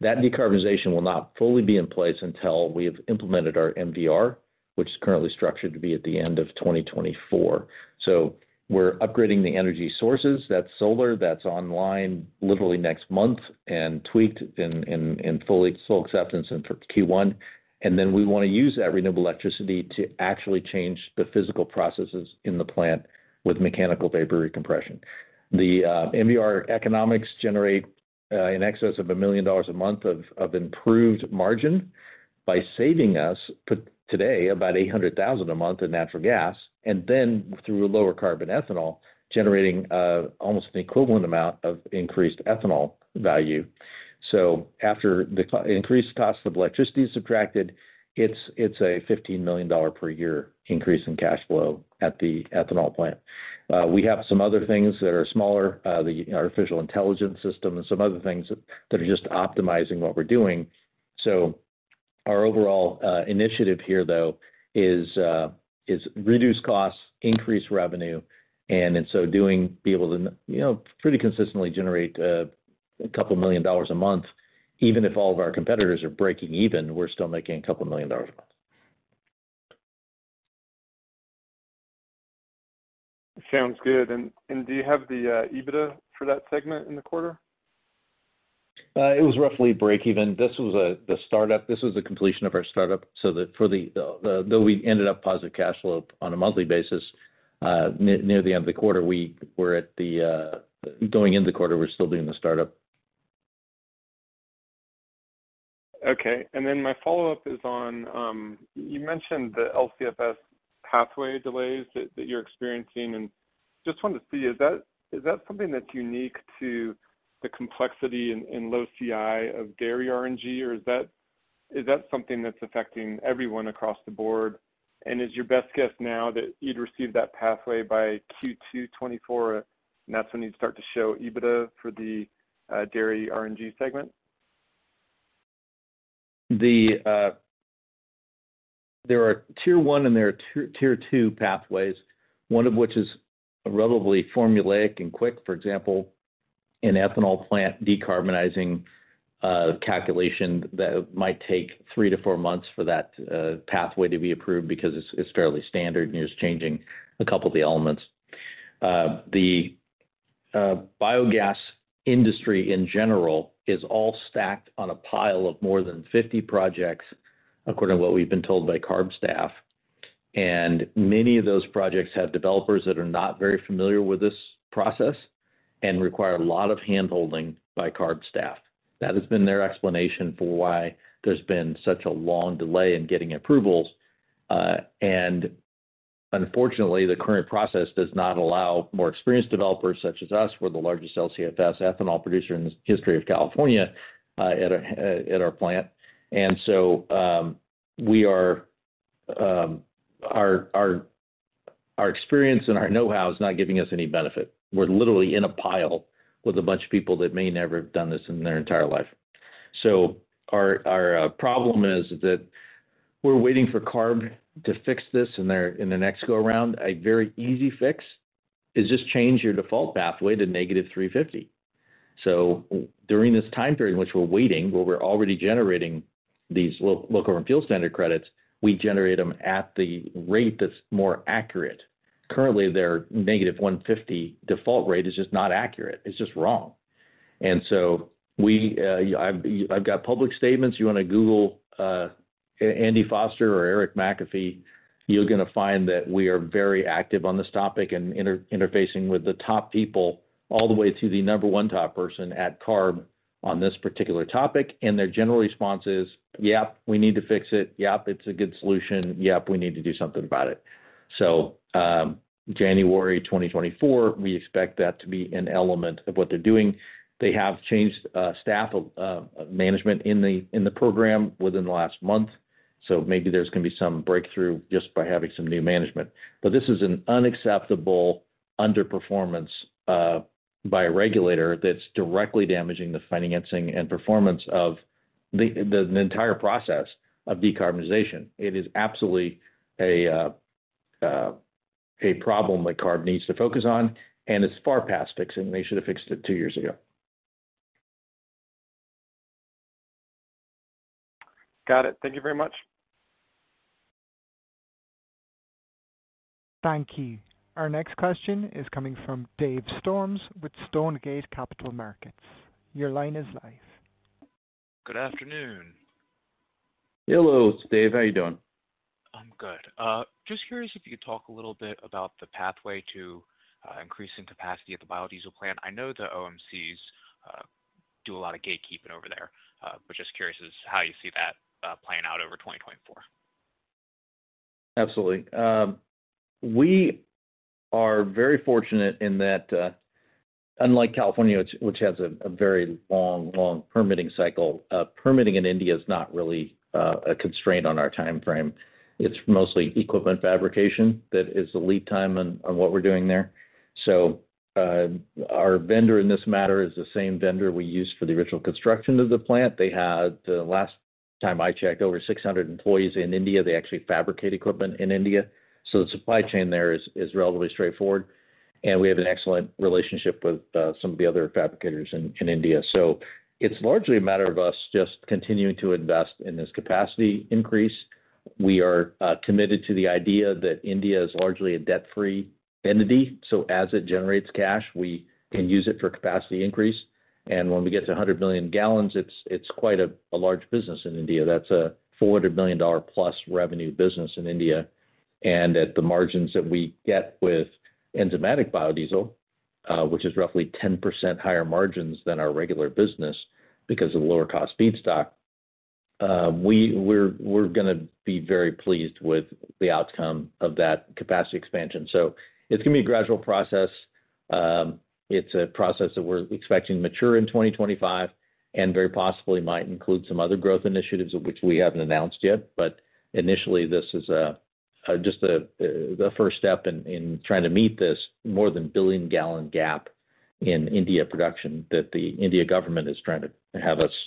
That decarbonization will not fully be in place until we have implemented our MVR, which is currently structured to be at the end of 2024. So we're upgrading the energy sources. That's solar, that's online, literally next month, and tweaked and full acceptance in Q1. And then we want to use that renewable electricity to actually change the physical processes in the plant with mechanical vapor compression. The MVR economics generate in excess of $1 million a month of improved margin by saving us today about $800,000 a month in natural gas, and then through lower carbon ethanol, generating almost an equivalent amount of increased ethanol value. So after the increased cost of electricity is subtracted, it's a $15 million per year increase in cash flow at the ethanol plant. We have some other things that are smaller, the artificial intelligence system and some other things that are just optimizing what we're doing. So our overall initiative here, though, is reduce costs, increase revenue, and so doing be able to, you know, pretty consistently generate $2 million a month. Even if all of our competitors are breaking even, we're still making $2 million a month. Sounds good, and do you have the EBITDA for that segment in the quarter? It was roughly break even. This was the startup. This was the completion of our startup, so for the quarter, though we ended up positive cash flow on a monthly basis, near the end of the quarter, going into the quarter, we're still doing the startup. Okay, and then my follow-up is on, you mentioned the LCFS pathway delays that you're experiencing, and just wanted to see, is that something that's unique to the complexity in low CI of dairy RNG, or is that something that's affecting everyone across the board? And is your best guess now that you'd receive that pathway by Q2 2024, and that's when you'd start to show EBITDA for the dairy RNG segment? There are tier 1 and there are tier, tier 2 pathways, one of which is relatively formulaic and quick. For example, an ethanol plant decarbonizing calculation that might take three to four months for that pathway to be approved because it's fairly standard and is changing a couple of the elements. The biogas industry in general is all stacked on a pile of more than 50 projects, according to what we've been told by CARB staff. And many of those projects have developers that are not very familiar with this process and require a lot of handholding by CARB staff. That has been their explanation for why there's been such a long delay in getting approvals. And unfortunately, the current process does not allow more experienced developers such as us. We're the largest LCFS ethanol producer in the history of California, at our plant. So, we are, our experience and our know-how is not giving us any benefit. We're literally in a pile with a bunch of people that may never have done this in their entire life. So our problem is that we're waiting for CARB to fix this in their next go around. A very easy fix is just change your default pathway to -350. So during this time period in which we're waiting, where we're already generating these Low Carbon Fuel Standard credits, we generate them at the rate that's more accurate. Currently, their -150 default rate is just not accurate. It's just wrong. So we... I've got public statements. You want to Google, Andy Foster or Eric McAfee, you're gonna find that we are very active on this topic and interfacing with the top people all the way to the number one top person at CARB on this particular topic. And their general response is, "Yep, we need to fix it. Yep, it's a good solution. Yep, we need to do something about it." So, January 2024, we expect that to be an element of what they're doing. They have changed, staff, management in the program within the last month, so maybe there's going to be some breakthrough just by having some new management. But this is an unacceptable underperformance, by a regulator that's directly damaging the financing and performance of the entire process of decarbonization. It is absolutely a problem that CARB needs to focus on, and it's far past fixing. They should have fixed it two years ago. Got it thank you very much. Thank you. Our next question is coming from Dave Storms with Stonegate Capital Markets your line is live. Good afternoon. Hello, Dave. How are you doing? I'm good. Just curious if you could talk a little bit about the pathway to increasing capacity at the biodiesel plant. I know the OMCs do a lot of gatekeeping over there, but just curious as to how you see that playing out over 2024. Absolutely. We are very fortunate in that, unlike California, which has a very long permitting cycle, permitting in India is not really a constraint on our timeframe. It's mostly equipment fabrication that is the lead time on what we're doing there. So, our vendor in this matter is the same vendor we used for the original construction of the plant. They had, the last time I checked, over 600 employees in India. They actually fabricate equipment in India, so the supply chain there is relatively straightforward, and we have an excellent relationship with some of the other fabricators in India. So it's largely a matter of us just continuing to invest in this capacity increase. We are committed to the idea that India is largely a debt-free entity, so as it generates cash, we can use it for capacity increase. And when we get to 100 million gal, it's quite a large business in India. That's a $400 million+ revenue business in India. And at the margins that we get with enzymatic biodiesel, which is roughly 10% higher margins than our regular business because of the lower cost feedstock, we're gonna be very pleased with the outcome of that capacity expansion. So it's gonna be a gradual process. It's a process that we're expecting to mature in 2025, and very possibly might include some other growth initiatives of which we haven't announced yet. But initially, this is just the first step in trying to meet this more than 1 billion-gal gap in India production, that the India government is trying to have us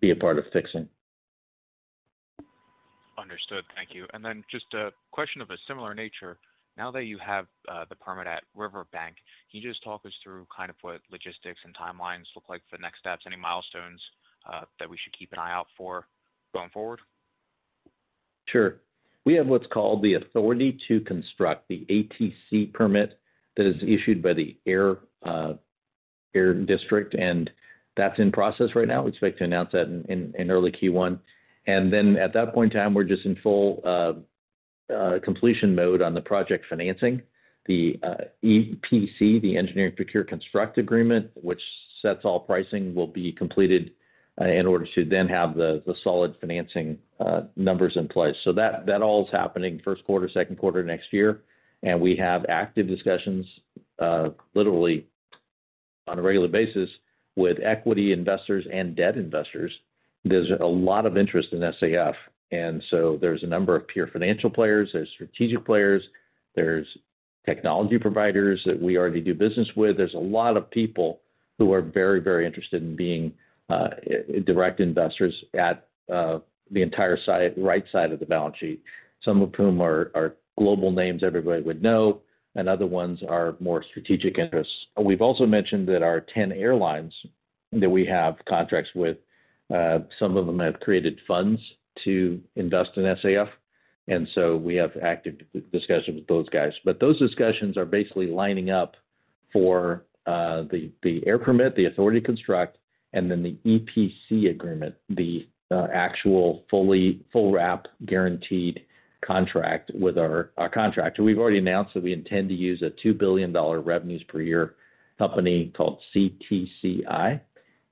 be a part of fixing. Understood thank you. And then just a question of a similar nature. Now that you have the permit at Riverbank, can you just talk us through kind of what logistics and timelines look like for the next steps? Any milestones that we should keep an eye out for going forward? Sure. We have what's called the authority to construct, the ATC permit, that is issued by the air district, and that's in process right now. We expect to announce that in early Q1. And then, at that point in time, we're just in full completion mode on the project financing. The EPC, the engineer procure construct agreement, which sets all pricing, will be completed in order to then have the solid financing numbers in place. So that all is happening first quarter, second quarter next year, and we have active discussions literally on a regular basis with equity investors and debt investors. There's a lot of interest in SAF, and so there's a number of pure financial players, there's strategic players, there's technology providers that we already do business with. There's a lot of people who are very, very interested in being direct investors at the entire side, right side of the balance sheet. Some of whom are global names everybody would know, and other ones are more strategic interests. We've also mentioned that our 10 airlines that we have contracts with, some of them have created funds to invest in SAF, and so we have active discussions with those guys. But those discussions are basically lining up for the air permit, the authority to construct, and then the EPC agreement, the actual fully, full wrap guaranteed contract with our contractor. We've already announced that we intend to use a $2 billion revenues per year company called CTCI,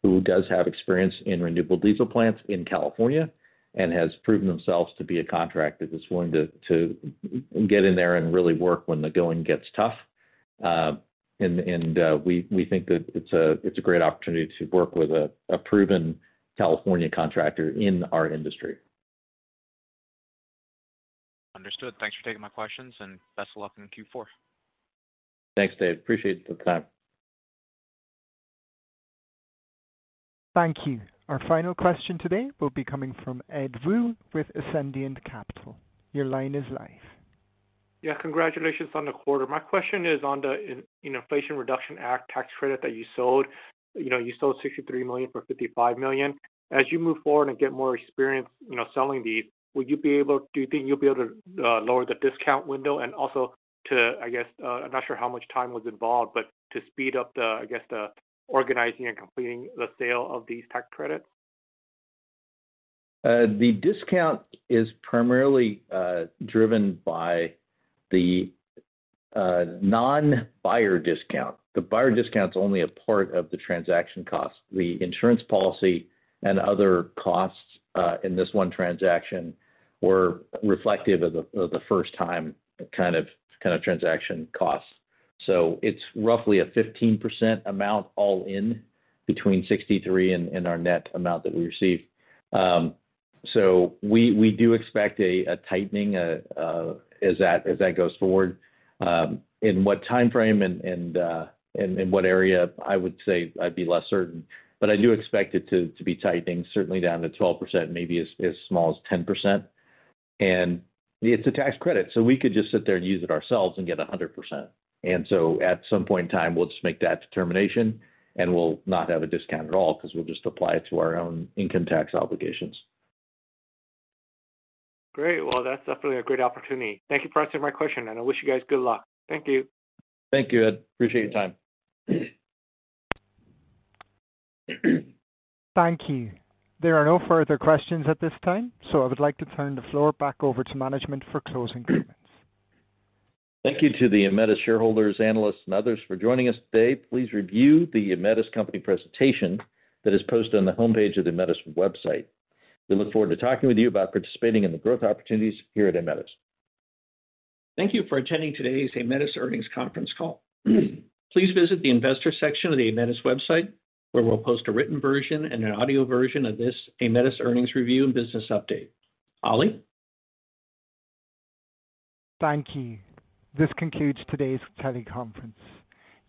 who does have experience in Renewable Diesel plants in California and has proven themselves to be a contractor that's willing to get in there and really work when the going gets tough. We think that it's a great opportunity to work with a proven California contractor in our industry. Understood, thanks for taking my questions, and best of luck in Q4. Thanks, Dave appreciate the time. Thank you. Our final question today will be coming from Ed Woo with Ascendiant Capital your line is live. Yeah, congratulations on the quarter. My question is on the Inflation Reduction Act tax credit that you sold. You know, you sold $63 million for $55 million. As you move forward and get more experience, you know, selling these, will you be able to, do you think you'll be able to lower the discount window and also to, I guess, I'm not sure how much time was involved, but to speed up the, I guess, the organizing and completing the sale of these tax credits? The discount is primarily driven by the non-buyer discount. The buyer discount's only a part of the transaction cost. The insurance policy and other costs in this one transaction were reflective of the first time kind of transaction costs. So it's roughly a 15% amount all in between $63 and our net amount that we received. So we do expect a tightening as that goes forward. In what timeframe and what area, I would say I'd be less certain, but I do expect it to be tightening, certainly down to 12%, maybe as small as 10%. And it's a tax credit, so we could just sit there and use it ourselves and get 100%. And so at some point in time, we'll just make that determination, and we'll not have a discount at all, 'cause we'll just apply it to our own income tax obligations. Great. Well, that's definitely a great opportunity. Thank you for answering my question, and I wish you guys good luck, thank you. Thank you, Ed, appreciate your time. Thank you. There are no further questions at this time, so I would like to turn the floor back over to management for closing comments. Thank you to the Aemetis shareholders, analysts and others for joining us today. Please review the Aemetis company presentation that is posted on the homepage of the Aemetis website. We look forward to talking with you about participating in the growth opportunities here at Aemetis. Thank you for attending today's Aemetis earnings conference call. Please visit the Investor section of the Aemetis website, where we'll post a written version and an audio version of this Aemetis earnings review and business update. Ali? Thank you. This concludes today's teleconference.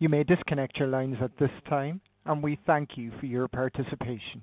You may disconnect your lines at this time, and we thank you for your participation.